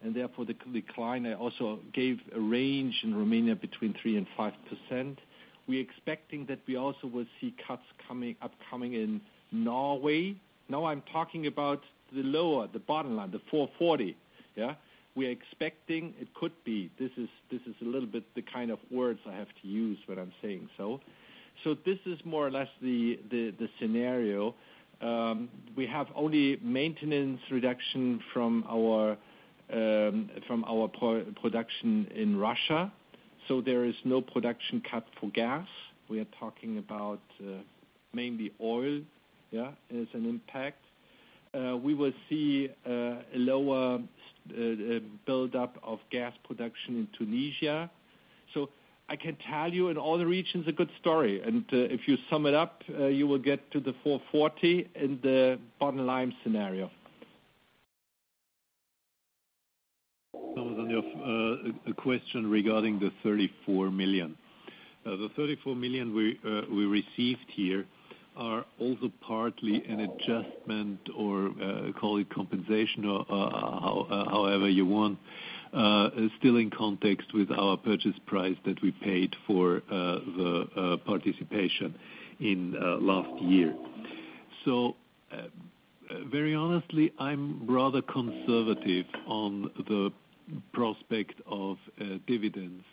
Therefore, the decline, I also gave a range in Romania between 3% and 5%. We are expecting that we also will see cuts upcoming in Norway. Now I am talking about the lower, the bottom line, the 440. We are expecting it could be, this is a little bit the kind of words I have to use when I am saying so. This is more or less the scenario. We have only maintenance reduction from our production in Russia. There is no production cut for gas. We are talking about mainly oil as an impact. We will see a lower buildup of gas production in Tunisia. I can tell you in all the regions a good story, and if you sum it up, you will get to the 440 in the bottom line scenario. Thomas, on your question regarding the 34 million we received here are also partly an adjustment, or call it compensation, or however you want, still in context with our purchase price that we paid for the participation in last year. Very honestly, I'm rather conservative on the prospect of dividends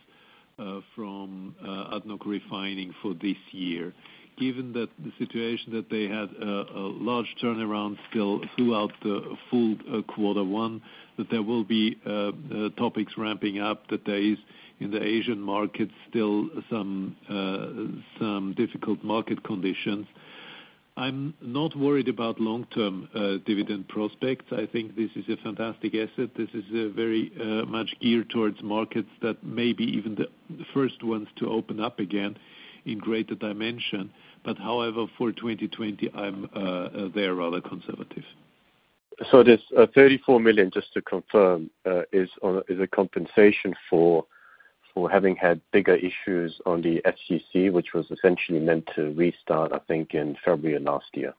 from ADNOC Refining for this year, given that the situation that they had a large turnaround still throughout the full quarter one, that there will be topics ramping up, that there is, in the Asian markets, still some difficult market conditions. I'm not worried about long-term dividend prospects. I think this is a fantastic asset. This is very much geared towards markets that may be even the first ones to open up again in greater dimension. However, for 2020, they're rather conservative. This 34 million, just to confirm, is a compensation for having had bigger issues on the FCC, which was essentially meant to restart, I think, in February of last year.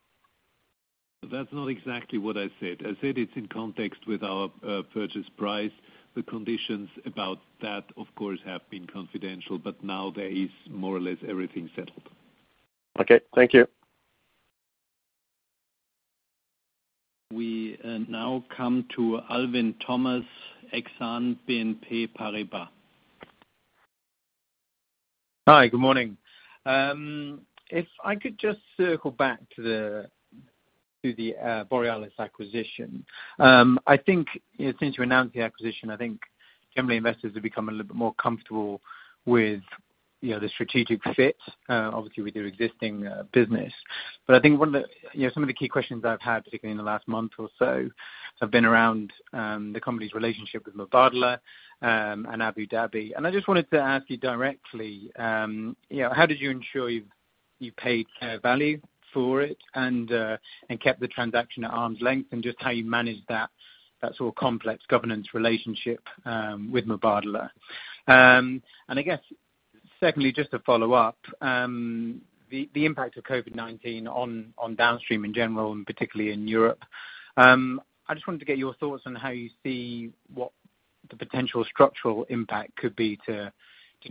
That's not exactly what I said. I said it's in context with our purchase price. The conditions about that, of course, have been confidential, but now there is more or less everything settled. Okay. Thank you. We now come to Alwyn Thomas, Exane BNP Paribas. Hi. Good morning. If I could just circle back to the Borealis acquisition. I think since you announced the acquisition, generally investors have become a little bit more comfortable with the strategic fit, obviously with your existing business. I think some of the key questions I've had, particularly in the last month or so, have been around the company's relationship with Mubadala and Abu Dhabi. I just wanted to ask you directly, how did you ensure you paid fair value for it and kept the transaction at arm's length, and just how you managed that sort of complex governance relationship with Mubadala. I guess secondly, just to follow up, the impact of COVID-19 on downstream in general, and particularly in Europe. I just wanted to get your thoughts on how you see what the potential structural impact could be to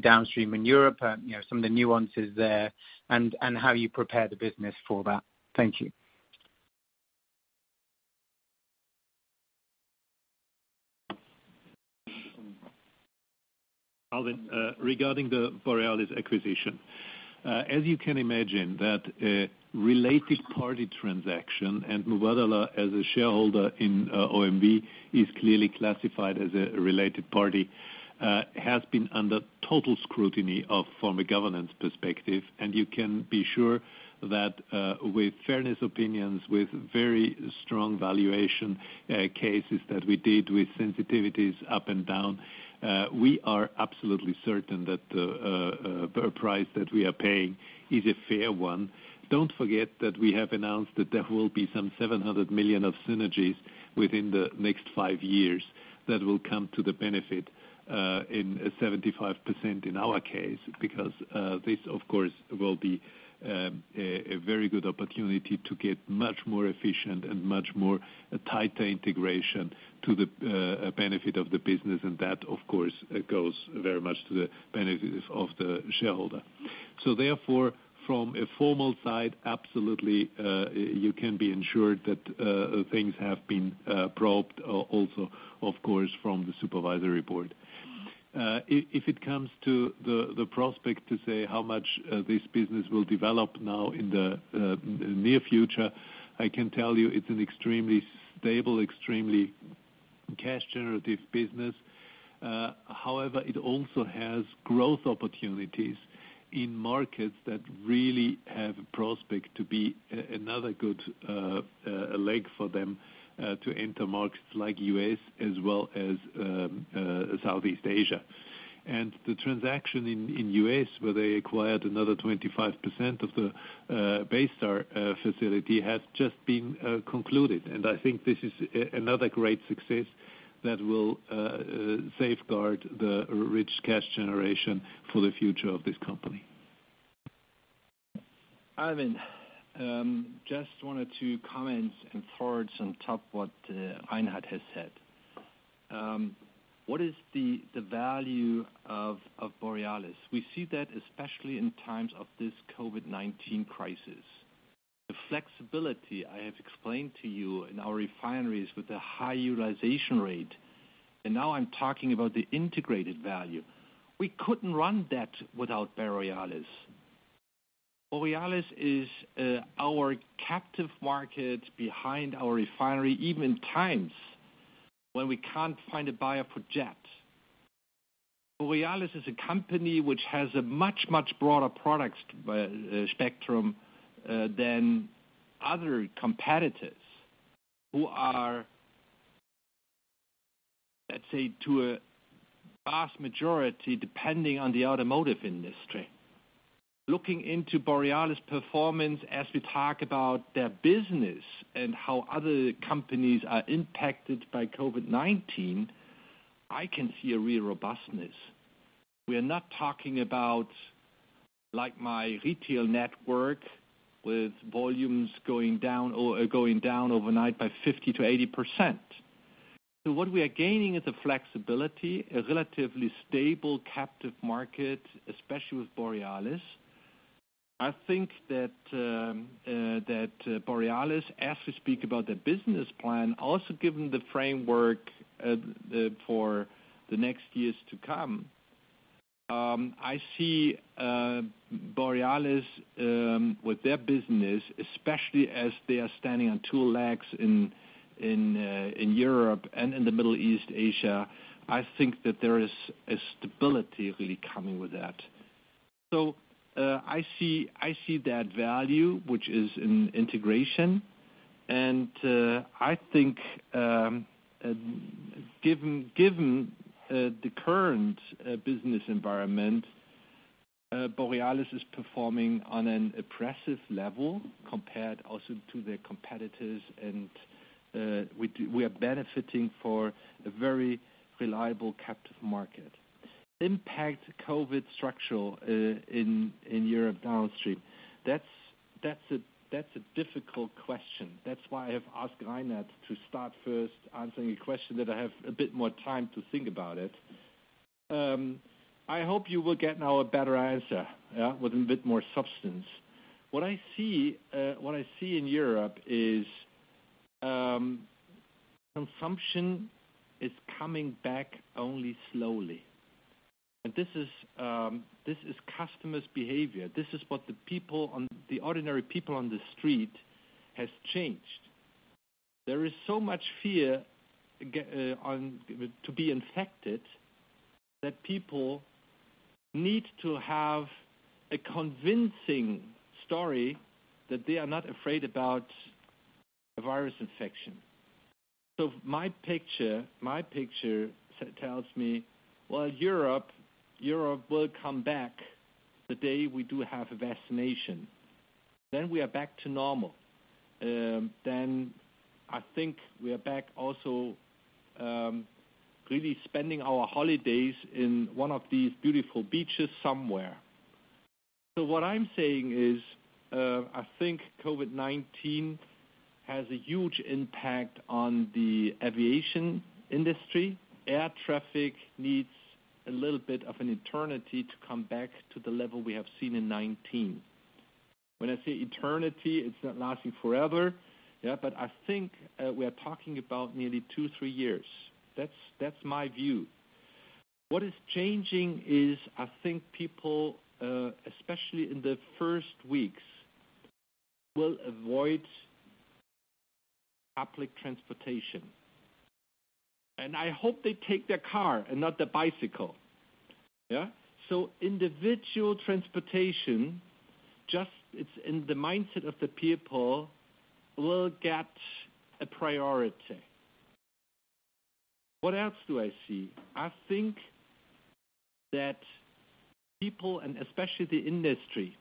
downstream in Europe, some of the nuances there, and how you prepare the business for that. Thank you. Alwyn, regarding the Borealis acquisition. As you can imagine, that related party transaction, and Mubadala as a shareholder in OMV, is clearly classified as a related party, has been under total scrutiny from a governance perspective. You can be sure that with fairness opinions, with very strong valuation cases that we did with sensitivities up and down, we are absolutely certain that the price that we are paying is a fair one. Don't forget that we have announced that there will be some 700 million of synergies within the next five years that will come to the benefit in 75% in our case. Because this, of course, will be a very good opportunity to get much more efficient and much more tighter integration to the benefit of the business, and that, of course, goes very much to the benefit of the shareholder. Therefore, from a formal side, absolutely, you can be ensured that things have been probed also, of course, from the supervisory board. If it comes to the prospect to say how much this business will develop now in the near future, I can tell you it's an extremely stable, extremely cash-generative business. However, it also has growth opportunities in markets that really have a prospect to be another good leg for them, to enter markets like U.S. as well as Southeast Asia. The transaction in U.S., where they acquired another 25% of the Baystar facility, has just been concluded. I think this is another great success that will safeguard the rich cash generation for the future of this company. Alwyn, just wanted to comment and throw some top what Reinhard has said. What is the value of Borealis? We see that especially in times of this COVID-19 crisis. The flexibility I have explained to you in our refineries with the high utilization rate, and now I'm talking about the integrated value. We couldn't run that without Borealis. Borealis is our captive market behind our refinery, even in times when we can't find a buyer for jet. Borealis is a company which has a much broader product spectrum than other competitors who are, let's say, to a vast majority, depending on the automotive industry. Looking into Borealis performance as we talk about their business and how other companies are impacted by COVID-19, I can see a real robustness. We are not talking about my retail network with volumes going down overnight by 50%-80%. What we are gaining is the flexibility, a relatively stable captive market, especially with Borealis. I think that Borealis, as we speak about their business plan, also given the framework for the next years to come. I see Borealis with their business, especially as they are standing on two legs in Europe and in the Middle East, Asia, I think that there is a stability really coming with that. I see that value, which is in integration, and I think given the current business environment, Borealis is performing on an impressive level compared also to their competitors, and we are benefiting for a very reliable captive market. Impact COVID structural in Europe downstream. That's a difficult question. That's why I have asked Reinhard to start first answering a question that I have a bit more time to think about it. I hope you will get now a better answer with a bit more substance. What I see in Europe is consumption is coming back only slowly. This is customers' behavior. This is what the ordinary people on the street has changed. There is so much fear to be infected that people need to have a convincing story that they are not afraid about a virus infection. My picture tells me, well, Europe will come back the day we do have a vaccination. We are back to normal. I think we are back also really spending our holidays in one of these beautiful beaches somewhere. What I'm saying is, I think COVID-19 has a huge impact on the aviation industry. Air traffic needs a little bit of an eternity to come back to the level we have seen in 2019. When I say eternity, it's not lasting forever. I think we are talking about nearly two, three years. That's my view. What is changing is, I think people, especially in the first weeks, will avoid public transportation. I hope they take their car and not their bicycle. Individual transportation, just it's in the mindset of the people, will get a priority. What else do I see? I think that people, and especially the industry,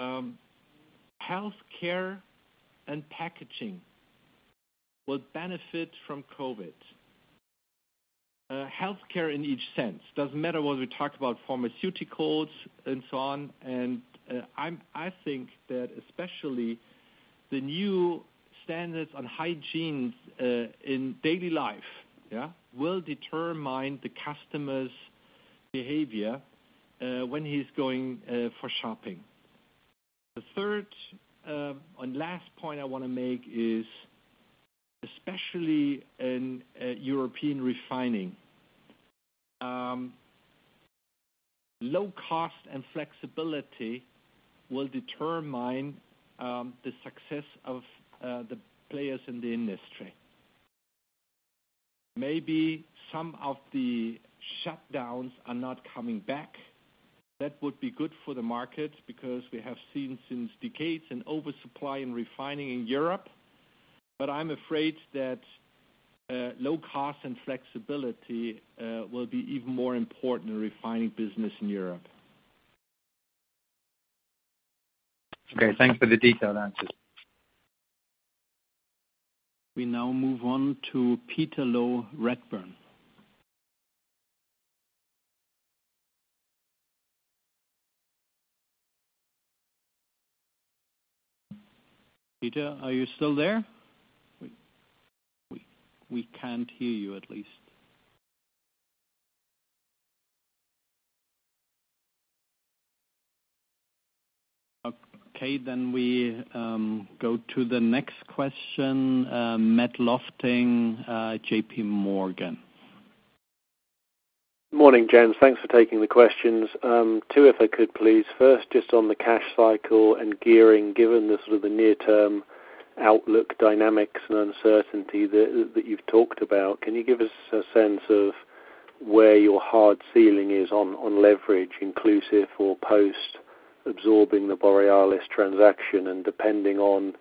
healthcare and packaging will benefit from COVID. Healthcare in each sense. Doesn't matter whether we talk about pharmaceuticals and so on. I think that especially the new standards on hygiene in daily life will determine the customer's behavior when he's going for shopping. The third and last point I want to make is, especially in European refining, low cost and flexibility will determine the success of the players in the industry. Maybe some of the shutdowns are not coming back. That would be good for the market because we have seen since decades an oversupply in refining in Europe. I'm afraid that low cost and flexibility will be even more important in refining business in Europe. Okay, thanks for the detailed answers. We now move on to Peter Low, Redburn. Peter, are you still there? We can't hear you at least. Okay, we go to the next question. Matthew Lofting, JPMorgan Chase. Morning, gents. Thanks for taking the questions. Two, if I could please. First, just on the cash cycle and gearing, given the sort of near-term outlook dynamics and uncertainty that you've talked about, can you give us a sense of where your hard ceiling is on leverage inclusive or post-absorbing the Borealis transaction and depending on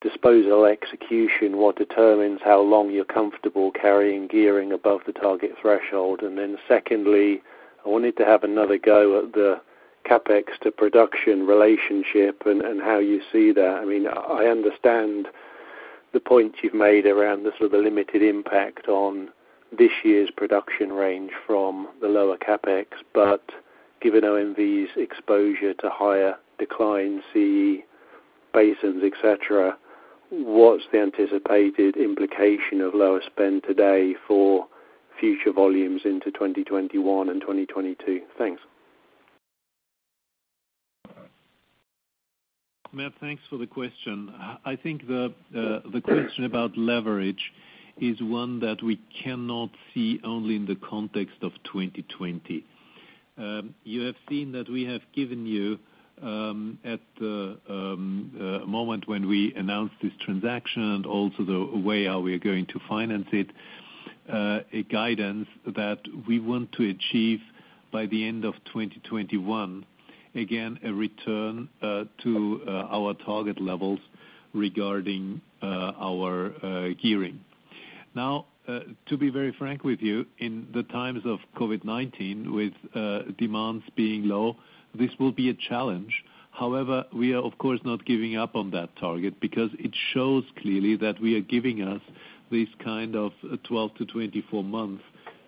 disposal execution, what determines how long you're comfortable carrying gearing above the target threshold? Secondly, I wanted to have another go at the CapEx-to-production relationship and how you see that. I understand the points you've made around the limited impact on this year's production range from the lower CapEx, but given OMV's exposure to higher decline C basins, et cetera, what's the anticipated implication of lower spend today for future volumes into 2021 and 2022? Thanks. Matt, thanks for the question. I think the question about leverage is one that we cannot see only in the context of 2020. You have seen that we have given you, at the moment when we announced this transaction and also the way how we are going to finance it, a guidance that we want to achieve by the end of 2021. Again, a return to our target levels regarding our gearing. Now, to be very frank with you, in the times of COVID-19, with demands being low, this will be a challenge. However, we are, of course, not giving up on that target because it shows clearly that we are giving us this kind of 12-24 months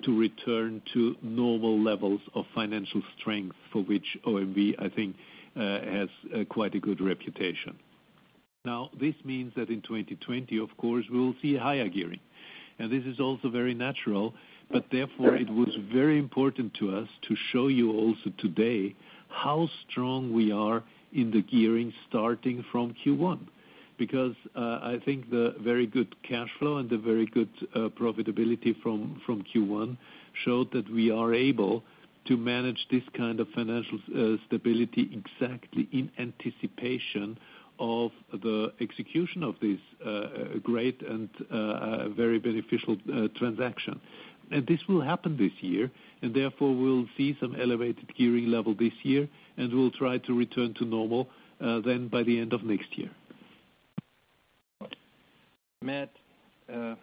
to return to normal levels of financial strength for which OMV, I think, has quite a good reputation. This means that in 2020, of course, we will see higher gearing. This is also very natural. Therefore it was very important to us to show you also today how strong we are in the gearing starting from Q1. I think the very good cash flow and the very good profitability from Q1 showed that we are able to manage this kind of financial stability exactly in anticipation of the execution of this great and very beneficial transaction. This will happen this year, and therefore we'll see some elevated gearing level this year, and we'll try to return to normal then by the end of next year. Matt, I'm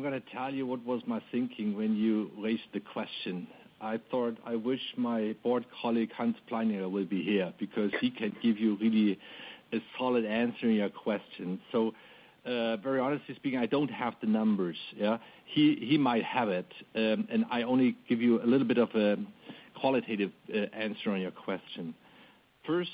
going to tell you what was my thinking when you raised the question. I thought, I wish my board colleague, Hans Pleininger, will be here because he can give you really a solid answer on your question. Very honestly speaking, I don't have the numbers. He might have it. I only give you a little bit of a qualitative answer on your question. First,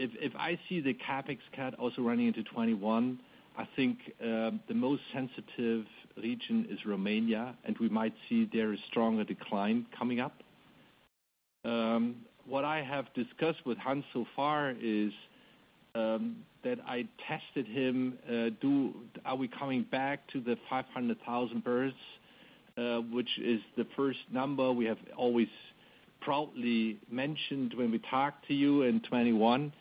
if I see the CapEx cut also running into 2021, I think the most sensitive region is Romania, and we might see there a stronger decline coming up. What I have discussed with Hans so far is that I tested him, are we coming back to the 500,000 barrels, which is the first number we have always proudly mentioned when we talk to you in 2021.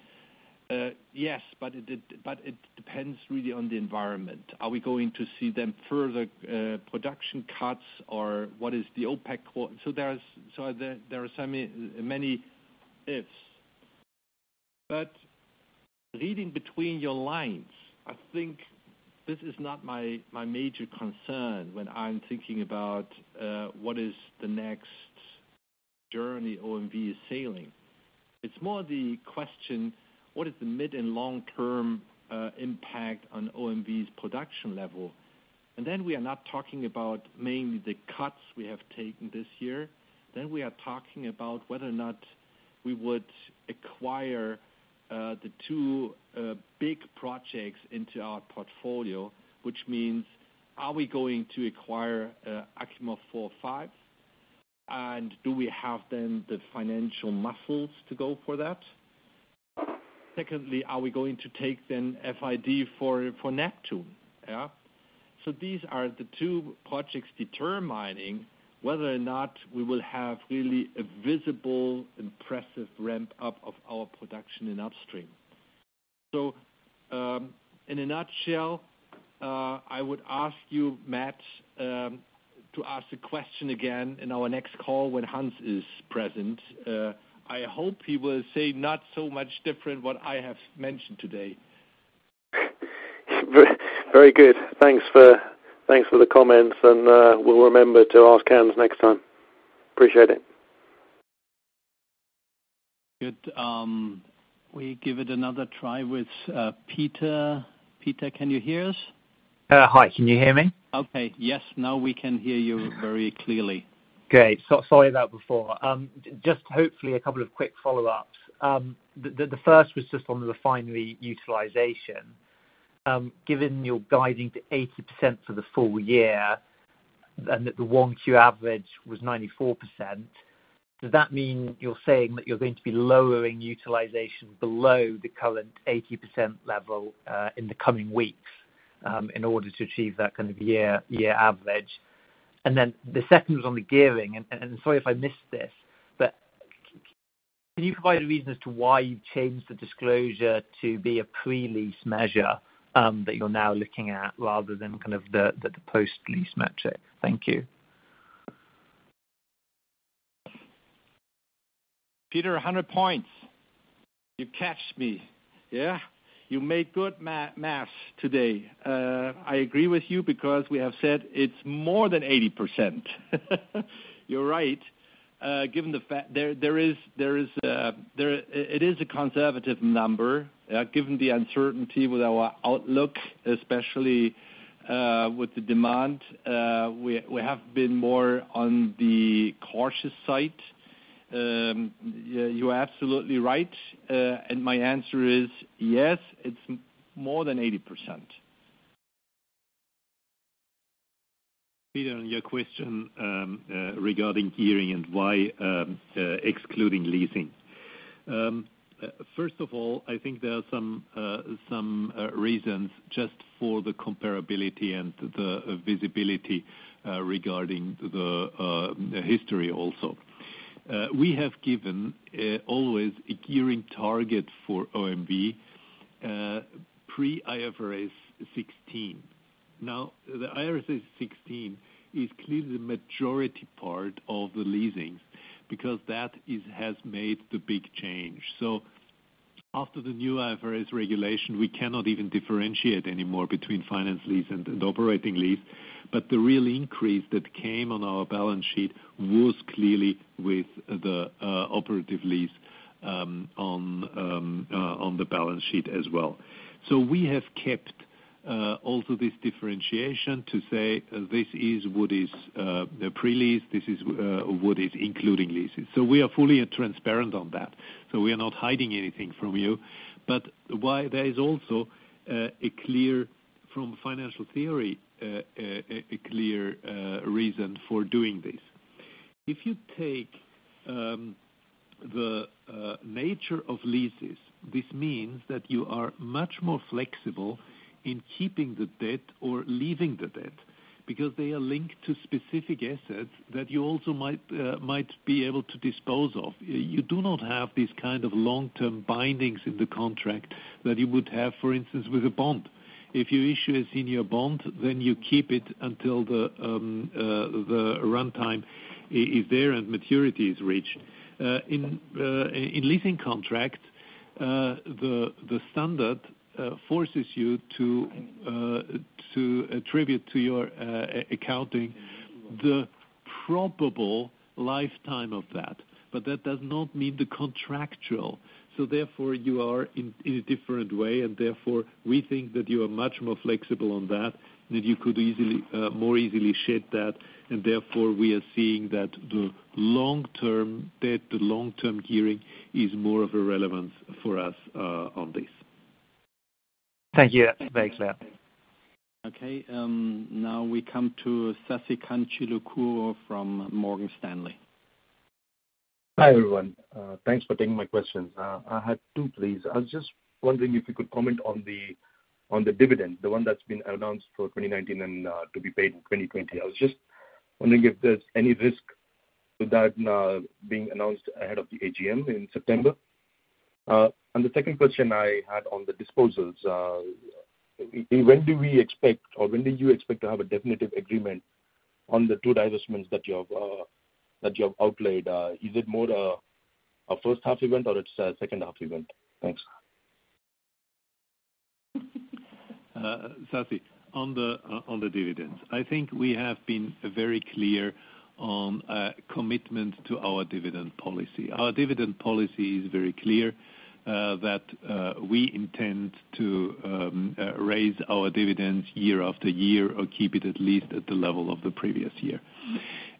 Yes, it depends really on the environment. Are we going to see then further production cuts or what is the OPEC? There are so many ifs. Reading between your lines, I think this is not my major concern when I'm thinking about what is the next journey OMV is sailing. It's more the question, what is the mid and long-term impact on OMV's production level? Then we are not talking about mainly the cuts we have taken this year. We are talking about whether or not we would acquire the two big projects into our portfolio, which means are we going to acquire Achimov 4, 5? Do we have then the financial muscles to go for that? Secondly, are we going to take then FID for Neptun? These are the two projects determining whether or not we will have really a visible, impressive ramp-up of our production in upstream. In a nutshell, I would ask you, Matt, to ask the question again in our next call when Hans is present. I hope he will say not so much different what I have mentioned today. Very good. Thanks for the comments and we'll remember to ask Hans next time. Appreciate it. Good. We give it another try with Peter. Peter, can you hear us? Hi, can you hear me? Okay. Yes, now we can hear you very clearly. Great. Sorry about before. Hopefully a couple of quick follow-ups. The first was on the refinery utilization. Given you're guiding to 80% for the full year, that the 1Q average was 94%, does that mean you're saying that you're going to be lowering utilization below the current 80% level in the coming weeks in order to achieve that kind of year average? The second was on the gearing. Sorry if I missed this, can you provide a reason as to why you've changed the disclosure to be a pre-lease measure that you're now looking at rather than the post-lease metric? Thank you. Peter, 100 points. You catch me. Yeah. You make good math today. I agree with you because we have said it's more than 80%. You're right. It is a conservative number, given the uncertainty with our outlook, especially with the demand. We have been more on the cautious side. You're absolutely right. My answer is, yes, it's more than 80%. Peter, on your question regarding gearing and why excluding leasing. First of all, I think there are some reasons just for the comparability and the visibility regarding the history also. We have given always a gearing target for OMV, pre IFRS 16. The IFRS 16 is clearly the majority part of the leasing because that has made the big change. After the new IFRS regulation, we cannot even differentiate anymore between finance lease and operating lease. The real increase that came on our balance sheet was clearly with the operating lease on the balance sheet as well. We have kept also this differentiation to say this is what is the pre-lease, this is what is including leases. We are fully transparent on that. We are not hiding anything from you. There is also, from financial theory, a clear reason for doing this. If you take the nature of leases, this means that you are much more flexible in keeping the debt or leaving the debt because they are linked to specific assets that you also might be able to dispose of. You do not have these kind of long-term bindings in the contract that you would have, for instance, with a bond. If you issue a senior bond, then you keep it until the runtime is there and maturity is reached. In leasing contracts, the standard forces you to attribute to your accounting the probable lifetime of that. That does not mean the contractual. Therefore, you are in a different way, and therefore, we think that you are much more flexible on that you could more easily shed that. Therefore, we are seeing that the long-term debt, the long-term gearing is more of a relevance for us on this. Thank you. That's very clear. Okay. Now we come to Sasikanth Chilukuru from Morgan Stanley. Hi, everyone. Thanks for taking my questions. I had two, please. I was just wondering if you could comment on the dividend, the one that's been announced for 2019 and to be paid in 2020. I was just wondering if there's any risk to that now being announced ahead of the AGM in September. The second question I had on the disposals. When do we expect or when do you expect to have a definitive agreement on the two divestments that you have outlaid? Is it more a first-half event or it's a second-half event? Thanks. Sasi, on the dividends. I think we have been very clear on commitment to our dividend policy. Our dividend policy is very clear, that we intend to raise our dividends year after year or keep it at least at the level of the previous year.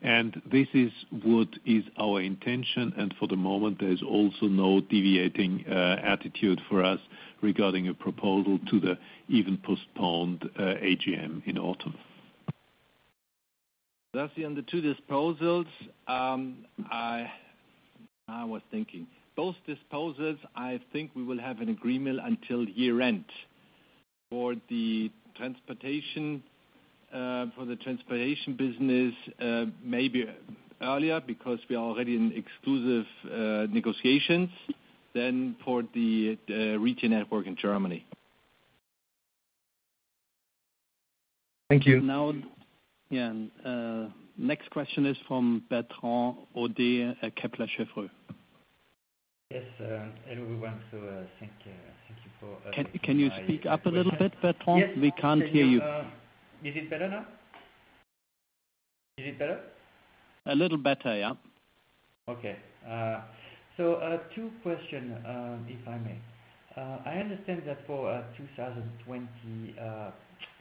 This is what is our intention. For the moment, there is also no deviating attitude for us regarding a proposal to the even postponed AGM in autumn. Sasi, on the two disposals. I was thinking. Both disposals, I think we will have an agreement until year-end. For the transportation business, maybe earlier because we are already in exclusive negotiations than for the retail network in Germany. Thank you. Now. Yeah. Next question is from Bertrand Hodee at Kepler Cheuvreux. Yes. Hello, everyone. Can you speak up a little bit, Bertrand? We can't hear you. Is it better now? Is it better? A little better. Yeah. Okay. Two question, if I may. I understand that for 2020,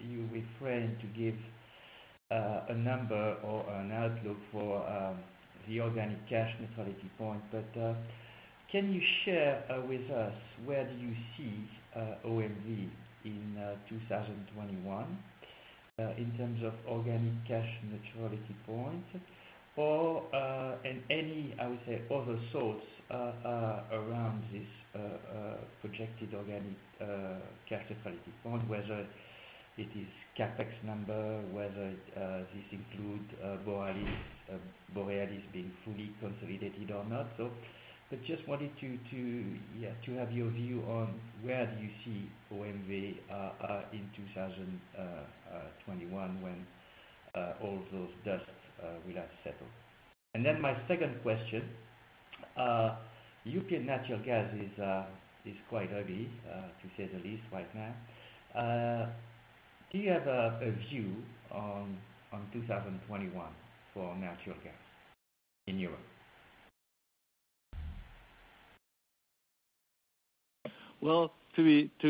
you refrain to give a number or an outlook for the organic cash neutrality point. Can you share with us where do you see OMV in 2021 in terms of organic cash neutrality point? In any, I would say, other thoughts around this projected organic cash neutrality point, whether it is CapEx number, whether this include Borealis being fully consolidated or not. I just wanted to have your view on where do you see OMV in 2021 when all those dusts will have settled. My second question, U.K. natural gas is quite heavy, to say the least, right now. Do you have a view on 2021 for natural gas in Europe? Well, to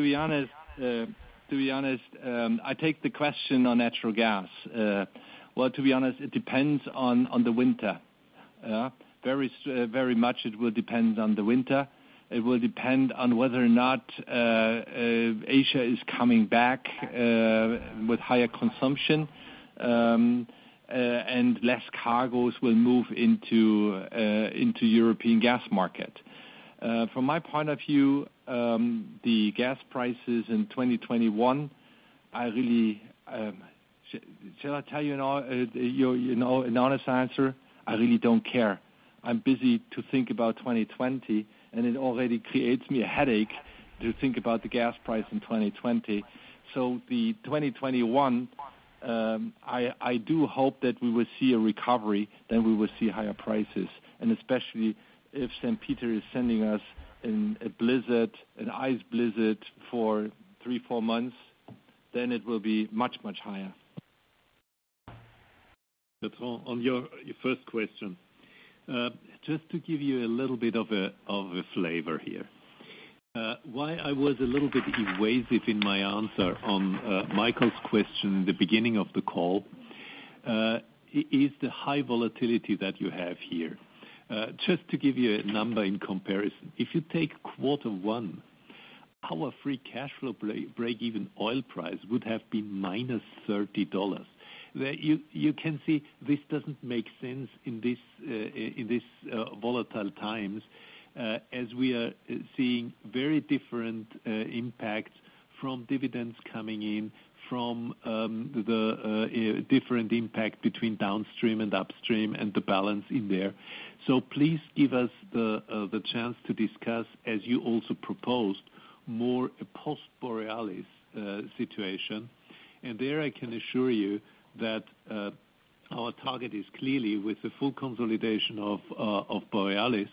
be honest, I take the question on natural gas. Well, to be honest, it depends on the winter. Very much it will depend on the winter. It will depend on whether or not Asia is coming back with higher consumption, and less cargoes will move into European gas market. From my point of view, the gas prices in 2021, shall I tell you an honest answer? I really don't care. I'm busy to think about 2020, and it already creates me a headache to think about the gas price in 2020. The 2021, I do hope that we will see a recovery, then we will see higher prices. Especially if St. Peter is sending us a blizzard, an ice blizzard for three, four months, then it will be much, much higher. Bertrand, on your first question, just to give you a little bit of a flavor here. Why I was a little bit evasive in my answer on Michael's question in the beginning of the call, is the high volatility that you have here. Just to give you a number in comparison. If you take quarter one, our free cash flow break-even oil price would have been EUR -30. You can see this doesn't make sense in this volatile times, as we are seeing very different impacts from dividends coming in, from the different impact between downstream and upstream, and the balance in there. Please give us the chance to discuss, as you also proposed, more a post Borealis situation. There I can assure you that our target is clearly with the full consolidation of Borealis,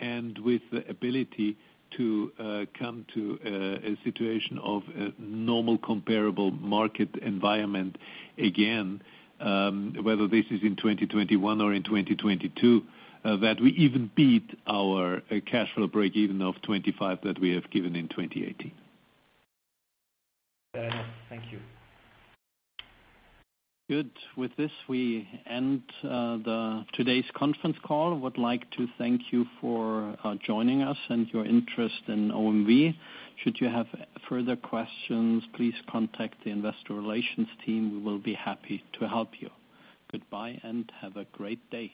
and with the ability to come to a situation of a normal comparable market environment again, whether this is in 2021 or in 2022, that we even beat our cash flow break-even of 25 that we have given in 2018. Very well. Thank you. Good. With this we end today's conference call. We would like to thank you for joining us and your interest in OMV. Should you have further questions, please contact the investor relations team. We will be happy to help you. Goodbye and have a great day.